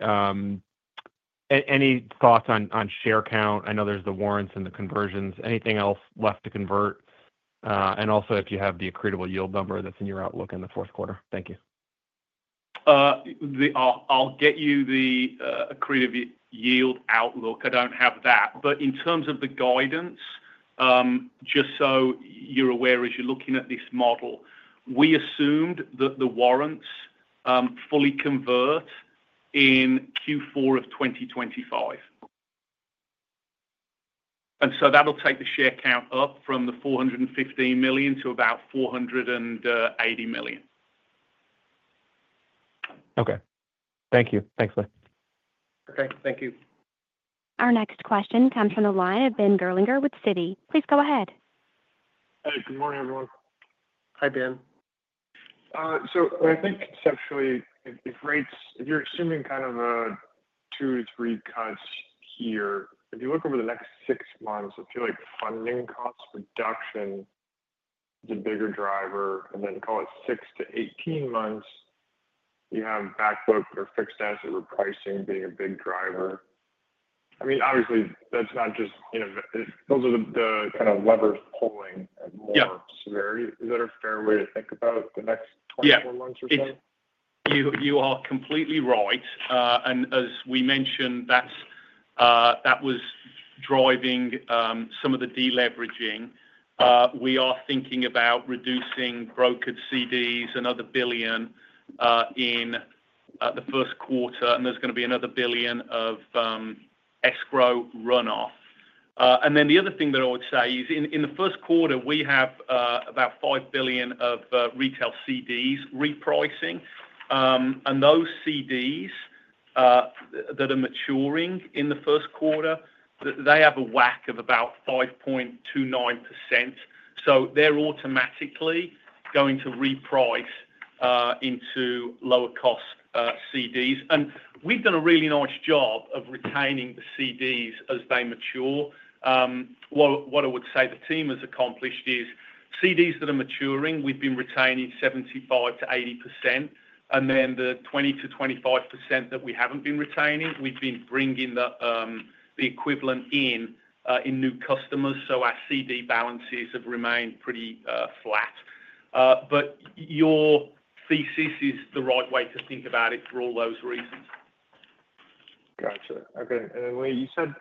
any thoughts on share count? I know there's the warrants and the conversions. Anything else left to convert? And also, if you have the accretable yield number that's in your outlook in the Q4? Thank you. I'll get you the accretive yield outlook. I don't have that. But in terms of the guidance, just so you're aware, as you're looking at this model, we assumed that the warrants fully convert in Q4 of 2025. And so that'll take the share count up from the 415 million to about 480 million. Okay. Thank you. Thanks, Lee. Okay. Thank you. Our next question comes from the line of Ben Gerlinger with Citi. Please go ahead. Hey. Good morning, everyone. Hi, Ben. So I think conceptually, if you're assuming kind of two to three cuts here, if you look over the next six months, I feel like funding cost reduction is a bigger driver. And then call it six to 18 months, you have backbook or fixed asset repricing being a big driver. I mean, obviously, that's not just those, those are the kind of levers pulling more severity. Is that a fair way to think about the next 24 months or so? Yeah. You are completely right. And as we mentioned, that was driving some of the deleveraging. We are thinking about reducing brokered CDs another $1 billion in the Q1, and there's going to be another $1 billion of escrow runoff. And then the other thing that I would say is in the Q1, we have about $5 billion of retail CDs repricing. And those CDs that are maturing in the Q1, they have a WAC of about 5.29%. So they're automatically going to reprice into lower-cost CDs. And we've done a really nice job of retaining the CDs as they mature. What I would say the team has accomplished is CDs that are maturing, we've been retaining 75%-80%. And then the 20%-25% that we haven't been retaining, we've been bringing the equivalent in new customers. So our CD balances have remained pretty flat. But your thesis is the right way to think about it for all those reasons. Gotcha. Okay. And Lee, you said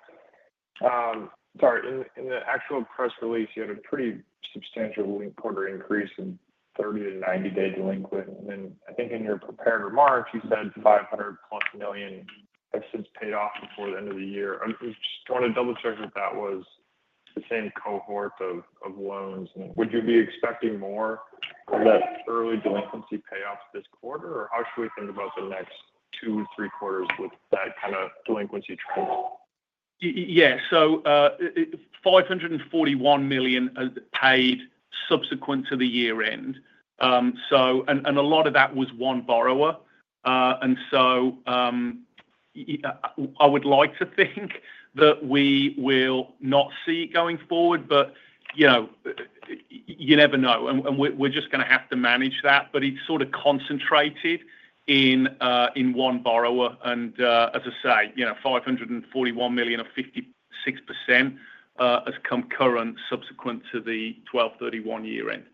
sorry. In the actual press release, you had a pretty substantial quarter increase in 30- to 90-day delinquent. And then I think in your prepared remarks, you said $500-plus million has since paid off before the end of the year. I just want to double-check that that was the same cohort of loans. And would you be expecting more of that early delinquency payoff this quarter? Or how should we think about the next two or three quarters with that kind of delinquency trend? Yeah. So $541 million paid subsequent to the year-end. And a lot of that was one borrower. And so I would like to think that we will not see it going forward, but you never know. And we're just going to have to manage that. But it's sort of concentrated in one borrower. And as I say, $541 million of 56% has come current subsequent to the 12/31 year-end.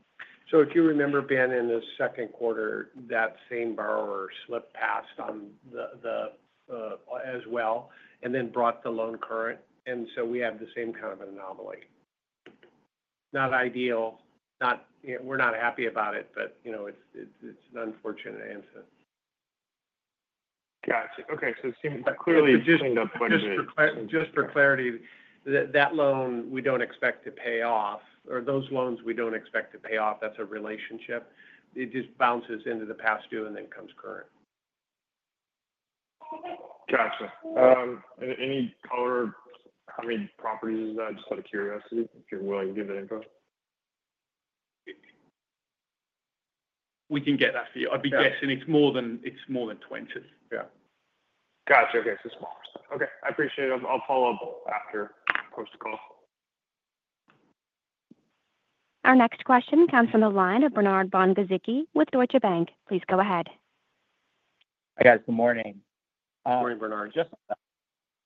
So, if you remember, Ben, in the Q2, that same borrower slipped past on the nonaccrual as well and then brought the loan current. And so we have the same kind of anomaly. Not ideal. We're not happy about it, but it's an unfortunate answer. Gotcha. Okay. So it seems clearly. Just for clarity, that loan we don't expect to pay off or those loans we don't expect to pay off, that's a relationship. It just bounces into the past due and then comes current. Gotcha. Any color, I mean, properties? Just out of curiosity, if you're willing to give that info? We can get that for you. I'd be guessing it's more than 20. Yeah. Gotcha. Okay. So smaller. Okay. I appreciate it. I'll follow up after post-call. Our next question comes from the line of Bernard Von Gizycki with Deutsche Bank. Please go ahead. Hi, guys. Good morning. Good morning, Bernard.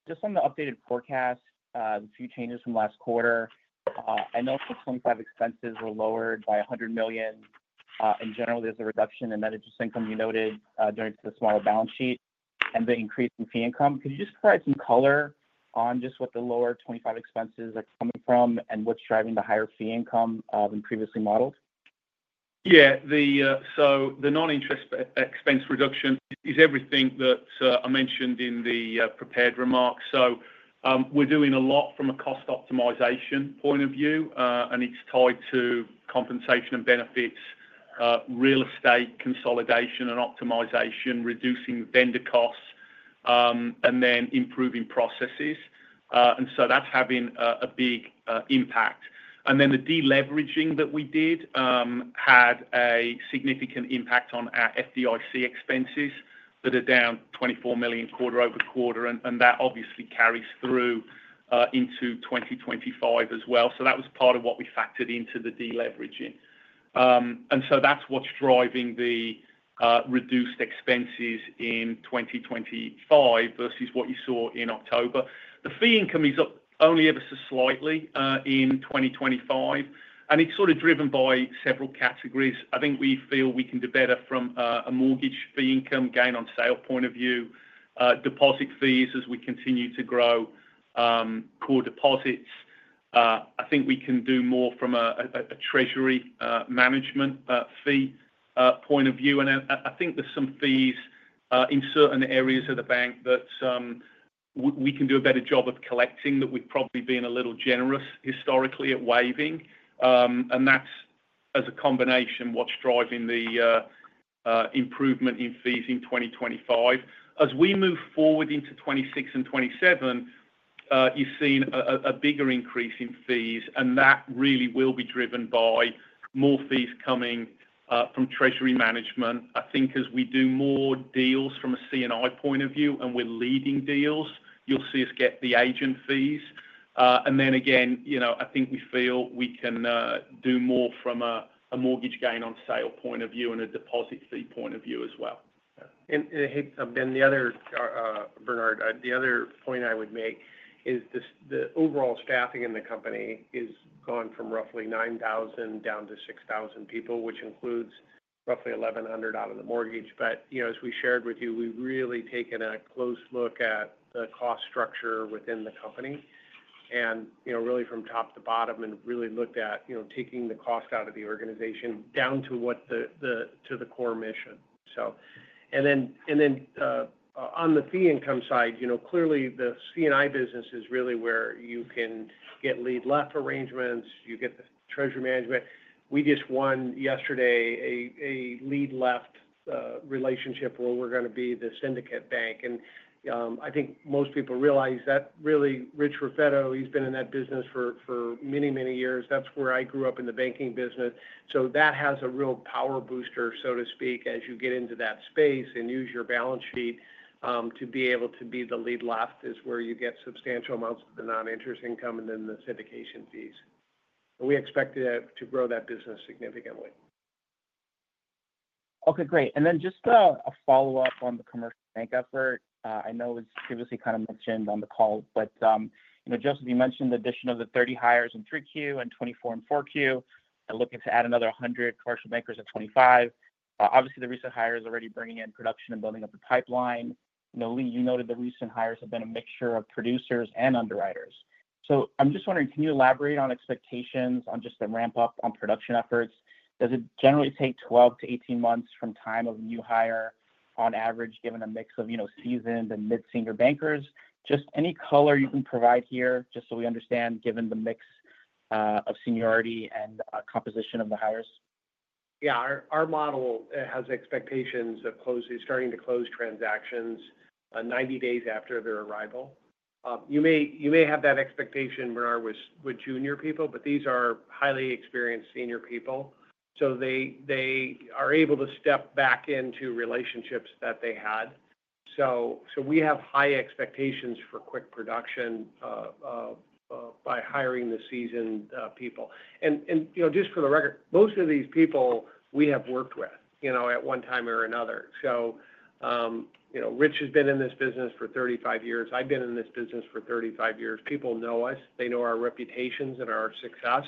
Just on the updated forecast, a few changes from last quarter. I know that 2025 expenses were lowered by $100 million. And generally, there's a reduction in noninterest income you noted due to the smaller balance sheet and the increase in fee income. Could you just provide some color on just what the lower 2025 expenses are coming from and what's driving the higher fee income than previously modeled? Yeah. So the non-interest expense reduction is everything that I mentioned in the prepared remarks. So we're doing a lot from a cost optimization point of view, and it's tied to compensation and benefits, real estate consolidation and optimization, reducing vendor costs, and then improving processes. And so that's having a big impact. And then the deleveraging that we did had a significant impact on our FDIC expenses that are down $24 million quarter-over-quarter. And that obviously carries through into 2025 as well. So that was part of what we factored into the deleveraging. And so that's what's driving the reduced expenses in 2025 versus what you saw in October. The fee income is up only ever so slightly in 2025. And it's sort of driven by several categories. I think we feel we can do better from a mortgage fee income gain on sale point of view, deposit fees as we continue to grow, core deposits. I think we can do more from a treasury management fee point of view. And I think there's some fees in certain areas of the bank that we can do a better job of collecting that we've probably been a little generous historically at waiving. And that's, as a combination, what's driving the improvement in fees in 2025. As we move forward into 2026 and 2027, you're seeing a bigger increase in fees. And that really will be driven by more fees coming from treasury management. I think as we do more deals from a C&I point of view and with leading deals, you'll see us get the agent fees. And then again, I think we feel we can do more from a mortgage gain on sale point of view and a deposit fee point of view as well. And Ben, the other, Bernard, the other point I would make is the overall staffing in the company has gone from roughly 9,000 down to 6,000 people, which includes roughly 1,100 out of the mortgage. But as we shared with you, we've really taken a close look at the cost structure within the company and really from top to bottom and really looked at taking the cost out of the organization down to the core mission. And then on the fee income side, clearly, the C&I business is really where you can get lead-left arrangements. You get the treasury management. We just won yesterday a lead-left relationship where we're going to be the syndicate bank. And I think most people realize that really Rich Raffetto, he's been in that business for many, many years. That's where I grew up in the banking business. That has a real power booster, so to speak, as you get into that space and use your balance sheet to be able to be the lead-left, where you get substantial amounts of the noninterest income and then the syndication fees. We expect to grow that business significantly. Okay. Great. And then just a follow-up on the commercial bank effort. I know it was previously kind of mentioned on the call, but Joseph, you mentioned the addition of the 30 hires in 3Q and 24 in 4Q and looking to add another 100 commercial bankers in 2025. Obviously, the recent hires are already bringing in production and building up the pipeline. Lee, you noted the recent hires have been a mixture of producers and underwriters. So I'm just wondering, can you elaborate on expectations on just the ramp-up on production efforts? Does it generally take 12 to 18 months from time of new hire on average, given a mix of seasoned and mid-senior bankers? Just any color you can provide here, just so we understand, given the mix of seniority and composition of the hires? Yeah. Our model has expectations of starting to close transactions 90 days after their arrival. You may have that expectation, Bernard, with junior people, but these are highly experienced senior people. So they are able to step back into relationships that they had. So we have high expectations for quick production by hiring the seasoned people. And just for the record, most of these people we have worked with at one time or another. So Rich has been in this business for 35 years. I've been in this business for 35 years. People know us. They know our reputations and our success.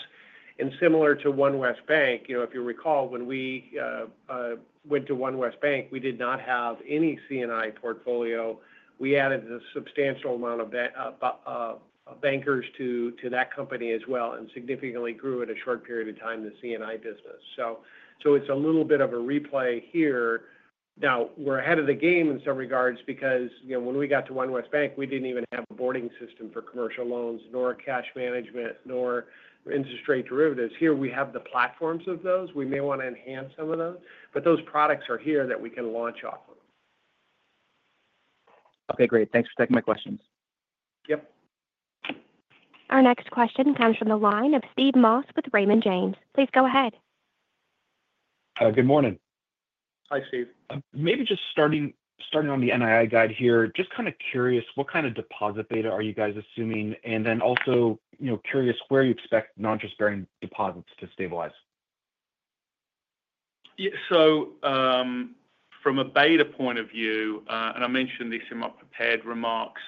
And similar to OneWest Bank, if you recall, when we went to OneWest Bank, we did not have any C&I portfolio. We added a substantial amount of bankers to that company as well and significantly grew in a short period of time the C&I business. So it's a little bit of a replay here. Now, we're ahead of the game in some regards because when we got to OneWest Bank, we didn't even have a boarding system for commercial loans nor cash management nor interest rate derivatives. Here, we have the platforms of those. We may want to enhance some of those. But those products are here that we can launch off of. Okay. Great. Thanks for taking my questions. Yep. Our next question comes from the line of Steve Moss with Raymond James. Please go ahead. Good morning. Hi, Steve. Maybe just starting on the NII guide here, just kind of curious, what kind of deposit beta are you guys assuming? And then also curious where you expect non-transparent deposits to stabilize. From a beta point of view, and I mentioned this in my prepared remarks.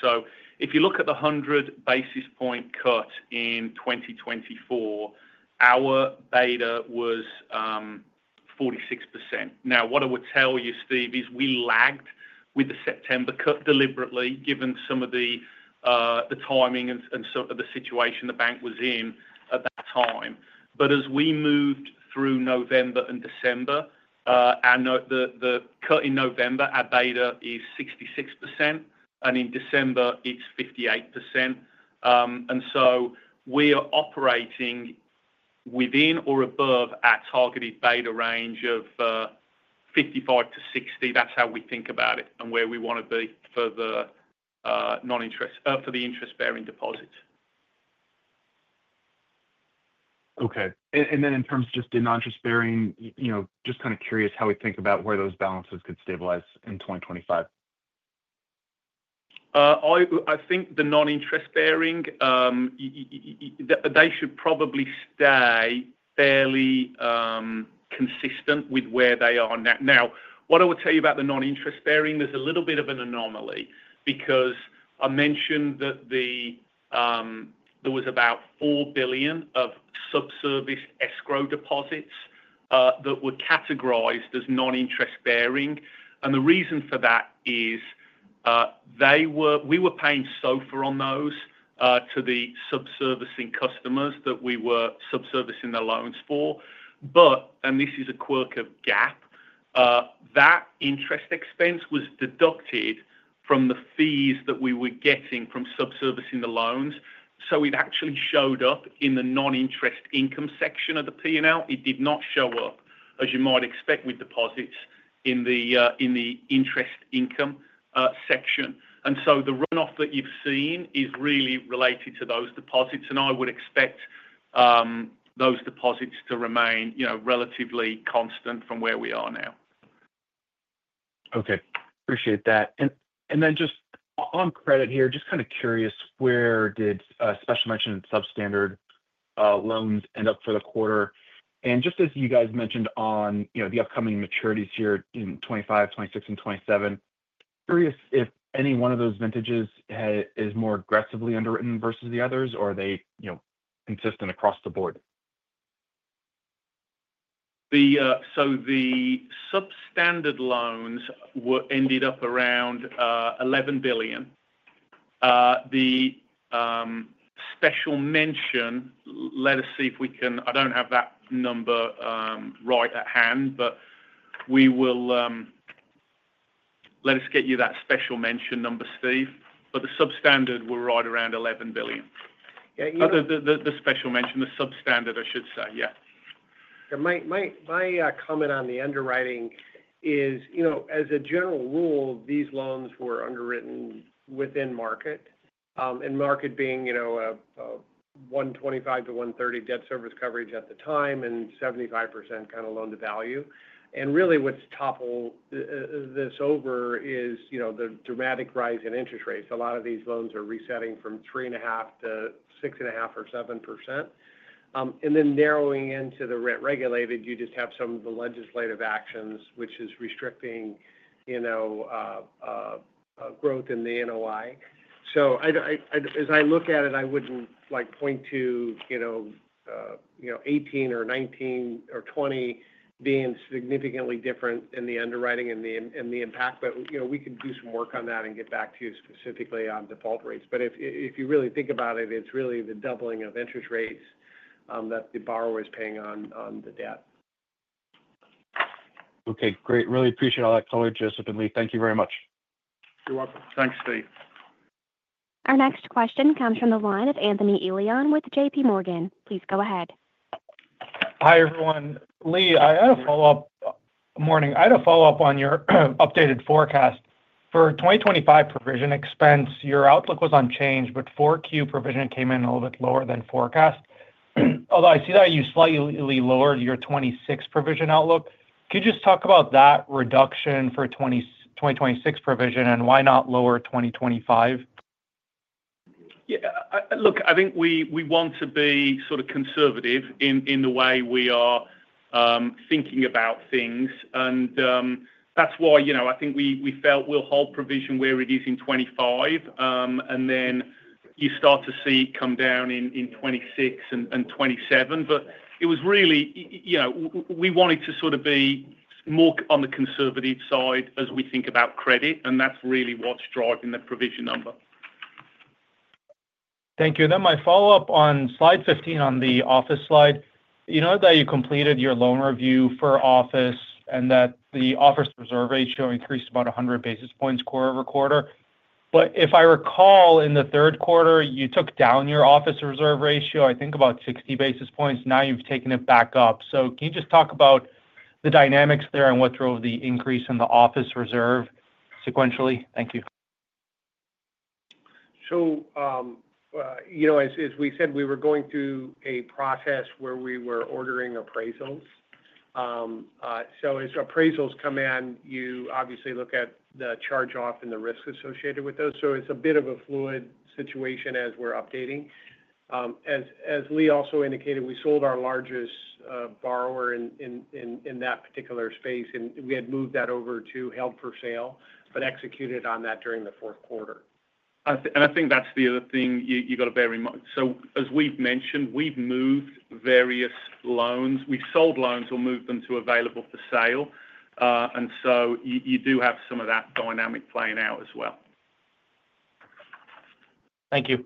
If you look at the 100 basis point cut in 2024, our beta was 46%. Now, what I would tell you, Steve, is we lagged with the September cut deliberately given some of the timing and the situation the bank was in at that time. But as we moved through November and December, the cut in November, our beta is 66%. And in December, it's 58%. And so we are operating within or above our targeted beta range of 55%-60%. That's how we think about it and where we want to be for the non-interest for the interest-bearing deposits. Okay. And then in terms of just the non-interest-bearing, just kind of curious how we think about where those balances could stabilize in 2025? I think the non-interest-bearing, they should probably stay fairly consistent with where they are now. Now, what I would tell you about the non-interest-bearing, there's a little bit of an anomaly because I mentioned that there was about $4 billion of subservicing escrow deposits that were categorized as non-interest-bearing. And the reason for that is we were paying SOFR on those to the subservicing customers that we were subservicing the loans for. But, and this is a quirk of GAAP, that interest expense was deducted from the fees that we were getting from subservicing the loans. So it actually showed up in the non-interest income section of the P&L. It did not show up, as you might expect, with deposits in the interest income section. And so the runoff that you've seen is really related to those deposits. I would expect those deposits to remain relatively constant from where we are now. Okay. Appreciate that. And then just on credit here, just kind of curious, where did special mention substandard loans end up for the quarter? And just as you guys mentioned on the upcoming maturities here in 2025, 2026, and 2027, curious if any one of those vintages is more aggressively underwritten versus the others, or are they consistent across the board? The Substandard loans ended up around $11 billion. The Special Mention, let us see if we can—I don't have that number right at hand, but let us get you that Special Mention number, Steve. The Substandard were right around $11 billion. The Special Mention, the Substandard, I should say. Yeah. My comment on the underwriting is, as a general rule, these loans were underwritten within market, and market being a 125 to 130 debt service coverage at the time and 75% kind of loan to value. And really what's toppled this over is the dramatic rise in interest rates. A lot of these loans are resetting from 3.5% to 6.5% or 7%. And then narrowing into the rent-regulated, you just have some of the legislative actions, which is restricting growth in the NOI. So as I look at it, I wouldn't point to 2018 or 2019 or 2020 being significantly different in the underwriting and the impact. But we could do some work on that and get back to you specifically on default rates. But if you really think about it, it's really the doubling of interest rates that the borrower is paying on the debt. Okay. Great. Really appreciate all that color, Joseph and Lee. Thank you very much. You're welcome. Thanks, Steve. Our next question comes from the line of Anthony Elian with JPMorgan. Please go ahead. Hi everyone. Lee, I had a follow-up on your updated forecast. For 2025 provision expense, your outlook was unchanged, but 4Q provision came in a little bit lower than forecast. Although I see that you slightly lowered your 2026 provision outlook. Could you just talk about that reduction for 2026 provision and why not lower 2025? Yeah. Look, I think we want to be sort of conservative in the way we are thinking about things, and that's why I think we felt we'll hold provision where it is in 2025, and then you start to see it come down in 2026 and 2027. But it was really we wanted to sort of be more on the conservative side as we think about credit, and that's really what's driving the provision number. Thank you. Then my follow-up on slide 15 on the office slide, you know that you completed your loan review for office and that the office reserve ratio increased about 100 basis points quarter-over-quarter. But if I recall, in the Q3, you took down your office reserve ratio, I think about 60 basis points. Now you've taken it back up. So can you just talk about the dynamics there and what drove the increase in the office reserve sequentially? Thank you. So as we said, we were going through a process where we were ordering appraisals. So as appraisals come in, you obviously look at the charge-off and the risk associated with those. So it's a bit of a fluid situation as we're updating. As Lee also indicated, we sold our largest borrower in that particular space. And we had moved that over to held for sale but executed on that during the Q4. And I think that's the other thing you got to bear in mind. So as we've mentioned, we've moved various loans. We've sold loans or moved them to available for sale. And so you do have some of that dynamic playing out as well. Thank you.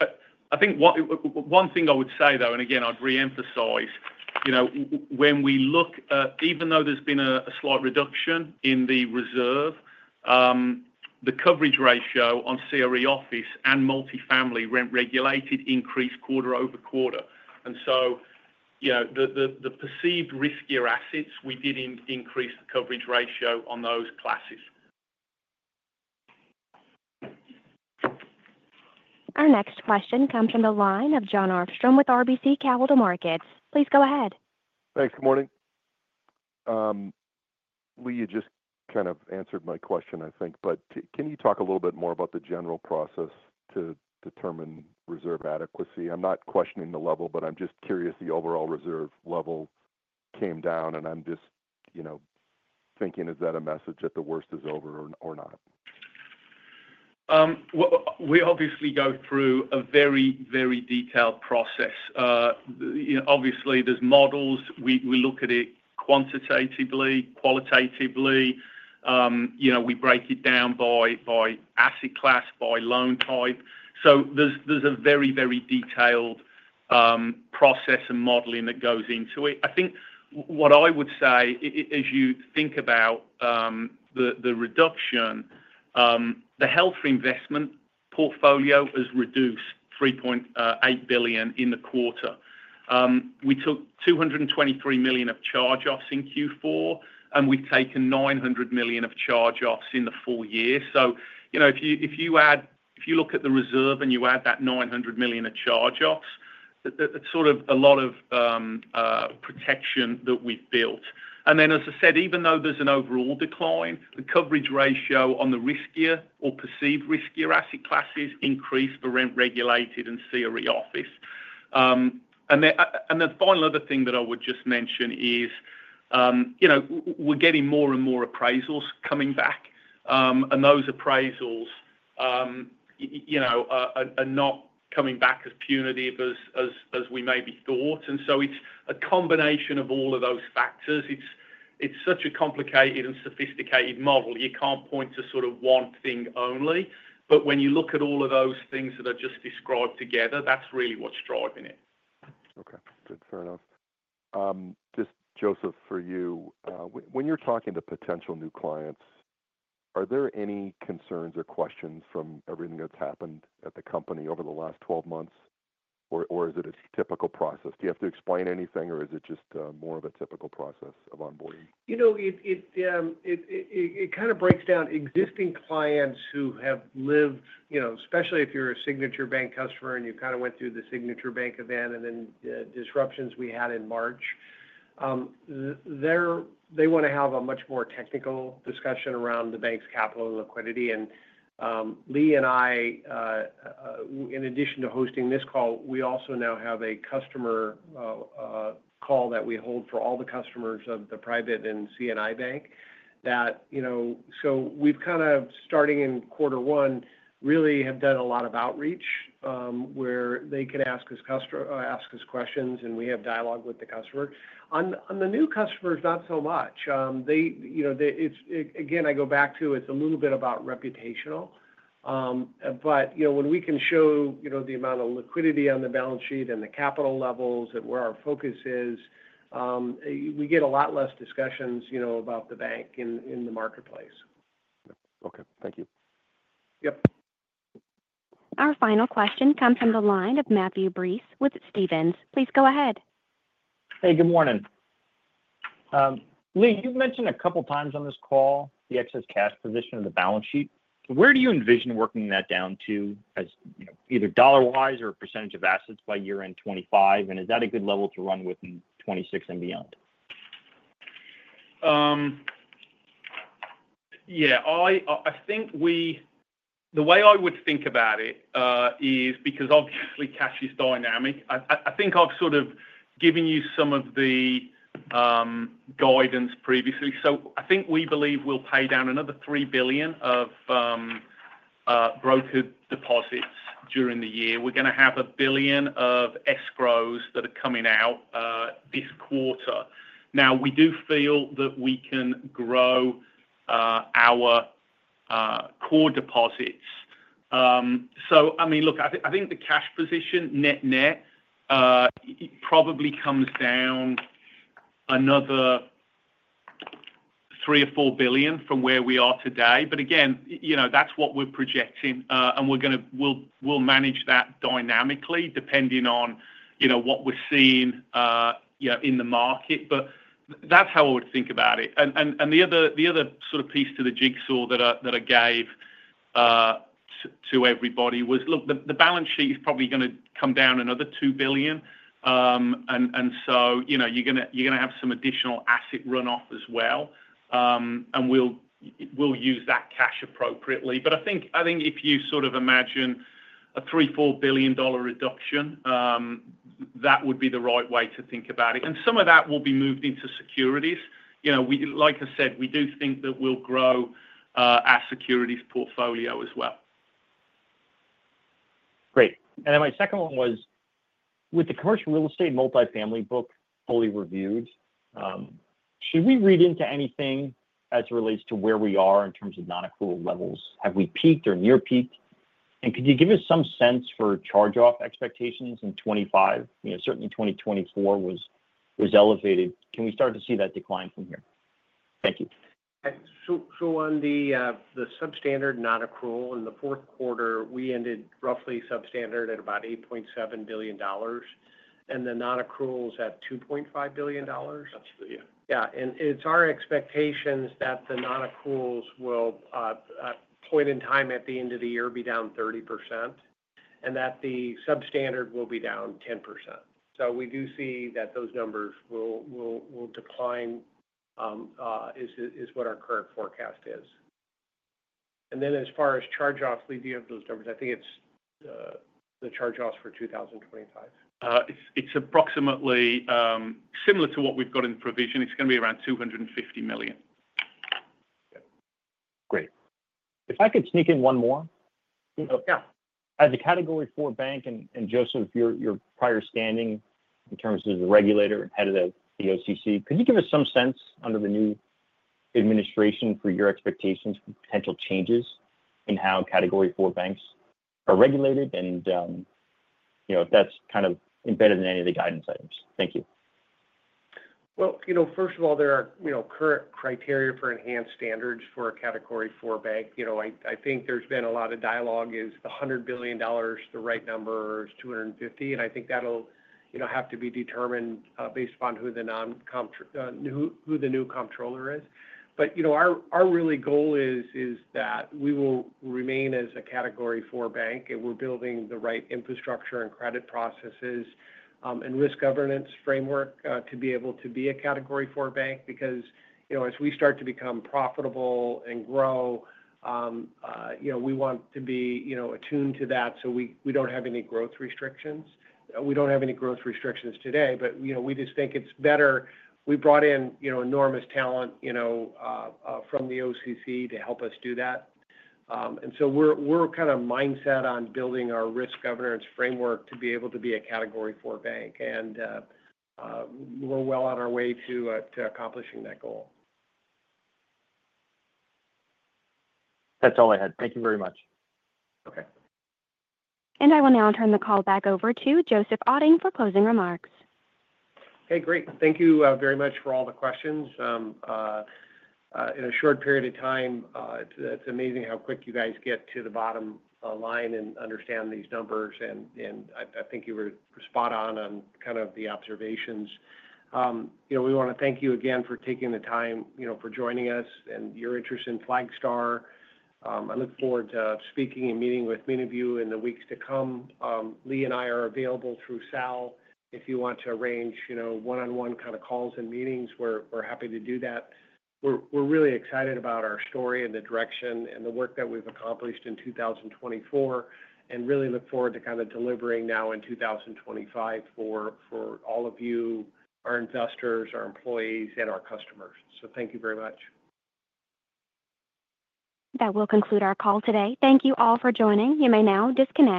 I think one thing I would say, though, and again, I'd re-emphasize, when we look at even though there's been a slight reduction in the reserve, the coverage ratio on CRE office and multifamily rent-regulated increased quarter-over-quarter, and so the perceived riskier assets, we did increase the coverage ratio on those classes. Our next question comes from the line of Jon Arfstrom with RBC Capital Markets. Please go ahead. Thanks. Good morning. Lee, you just kind of answered my question, I think. But can you talk a little bit more about the general process to determine reserve adequacy? I'm not questioning the level, but I'm just curious the overall reserve level came down. And I'm just thinking, is that a message that the worst is over or not? We obviously go through a very, very detailed process. Obviously, there's models. We look at it quantitatively, qualitatively. We break it down by asset class, by loan type. So there's a very, very detailed process and modeling that goes into it. I think what I would say, as you think about the reduction, the held investment portfolio has reduced $3.8 billion in the quarter. We took $223 million of charge-offs in Q4, and we've taken $900 million of charge-offs in the full year. So if you look at the reserve and you add that $900 million of charge-offs, that's sort of a lot of protection that we've built. And then, as I said, even though there's an overall decline, the coverage ratio on the riskier or perceived riskier asset classes increased for rent-regulated and CRE office. And the final other thing that I would just mention is we're getting more and more appraisals coming back. And those appraisals are not coming back as punitive as we maybe thought. And so it's a combination of all of those factors. It's such a complicated and sophisticated model. You can't point to sort of one thing only. But when you look at all of those things that are just described together, that's really what's driving it. Okay. Good. Fair enough. Just, Joseph, for you, when you're talking to potential new clients, are there any concerns or questions from everything that's happened at the company over the last 12 months? Or is it a typical process? Do you have to explain anything, or is it just more of a typical process of onboarding? You know, it kind of breaks down existing clients who have lived, especially if you're a Signature Bank customer and you kind of went through the Signature Bank event and then the disruptions we had in March. They want to have a much more technical discussion around the bank's capital and liquidity. Lee and I, in addition to hosting this call, we also now have a customer call that we hold for all the customers of the private and C&I bank, so we've kind of, starting in quarter one, really have done a lot of outreach where they can ask us questions, and we have dialogue with the customer. On the new customers, not so much. Again, I go back to it's a little bit about reputational. But when we can show the amount of liquidity on the balance sheet and the capital levels and where our focus is, we get a lot less discussions about the bank in the marketplace. Okay. Thank you. Yep. Our final question comes from the line of Matthew Breese with Stephens. Please go ahead. Hey, good morning. Lee, you've mentioned a couple of times on this call the excess cash position of the balance sheet. Where do you envision working that down to either dollar-wise or a percentage of assets by year-end 2025? And is that a good level to run with in 2026 and beyond? Yeah. I think the way I would think about it is because obviously, cash is dynamic. I think I've sort of given you some of the guidance previously. So I think we believe we'll pay down another $3 billion of broker deposits during the year. We're going to have a billion of escrows that are coming out this quarter. Now, we do feel that we can grow our core deposits. So, I mean, look, I think the cash position net-net probably comes down another $3 billion or $4 billion from where we are today. But again, that's what we're projecting. And we'll manage that dynamically depending on what we're seeing in the market. But that's how I would think about it. And the other sort of piece to the jigsaw that I gave to everybody was, look, the balance sheet is probably going to come down another $2 billion. And so you're going to have some additional asset runoff as well. And we'll use that cash appropriately. But I think if you sort of imagine a $3-4 billion reduction, that would be the right way to think about it. And some of that will be moved into securities. Like I said, we do think that we'll grow our securities portfolio as well. Great. And then my second one was, with the commercial real estate multifamily book fully reviewed, should we read into anything as it relates to where we are in terms of non-accrual levels? Have we peaked or near-peaked? And could you give us some sense for charge-off expectations in 2025? Certainly, 2024 was elevated. Can we start to see that decline from here? Thank you. So on the substandard non-accrual, in the Q4, we ended roughly substandard at about $8.7 billion. And the non-accrual is at $2.5 billion. Absolutely. Yeah. Yeah. And it's our expectations that the non-accruals will, at a point in time at the end of the year, be down 30% and that the substandard will be down 10%. So we do see that those numbers will decline is what our current forecast is. And then as far as charge-offs, Lee, do you have those numbers? I think it's the charge-offs for 2025. It's approximately similar to what we've got in the provision. It's going to be around $250 million. Great. If I could sneak in one more? Yeah. As a Category IV bank, and Joseph, your prior standing in terms of the regulator and head of the OCC, could you give us some sense under the new administration for your expectations for potential changes in how Category IV banks are regulated? And if that's kind of embedded in any of the guidance items. Thank you. First of all, there are current criteria for enhanced standards for a category four bank. I think there's been a lot of dialogue: is the $100 billion the right number? Is $250 billion? And I think that'll have to be determined based upon who the new comptroller is. But our real goal is that we will remain as a category four bank, and we're building the right infrastructure and credit processes and risk governance framework to be able to be a category four bank. Because as we start to become profitable and grow, we want to be attuned to that so we don't have any growth restrictions. We don't have any growth restrictions today, but we just think it's better. We brought in enormous talent from the OCC to help us do that. So we're kind of mindset on building our risk governance framework to be able to be a Category IV bank. We're well on our way to accomplishing that goal. That's all I had. Thank you very much. Okay. I will now turn the call back over to Joseph Otting for closing remarks. Hey, great. Thank you very much for all the questions. In a short period of time, it's amazing how quick you guys get to the bottom line and understand these numbers. And I think you were spot on on kind of the observations. We want to thank you again for taking the time for joining us and your interest in Flagstar. I look forward to speaking and meeting with many of you in the weeks to come. Lee and I are available through Sal if you want to arrange one-on-one kind of calls and meetings. We're happy to do that. We're really excited about our story and the direction and the work that we've accomplished in 2024 and really look forward to kind of delivering now in 2025 for all of you, our investors, our employees, and our customers. So thank you very much. That will conclude our call today. Thank you all for joining. You may now disconnect.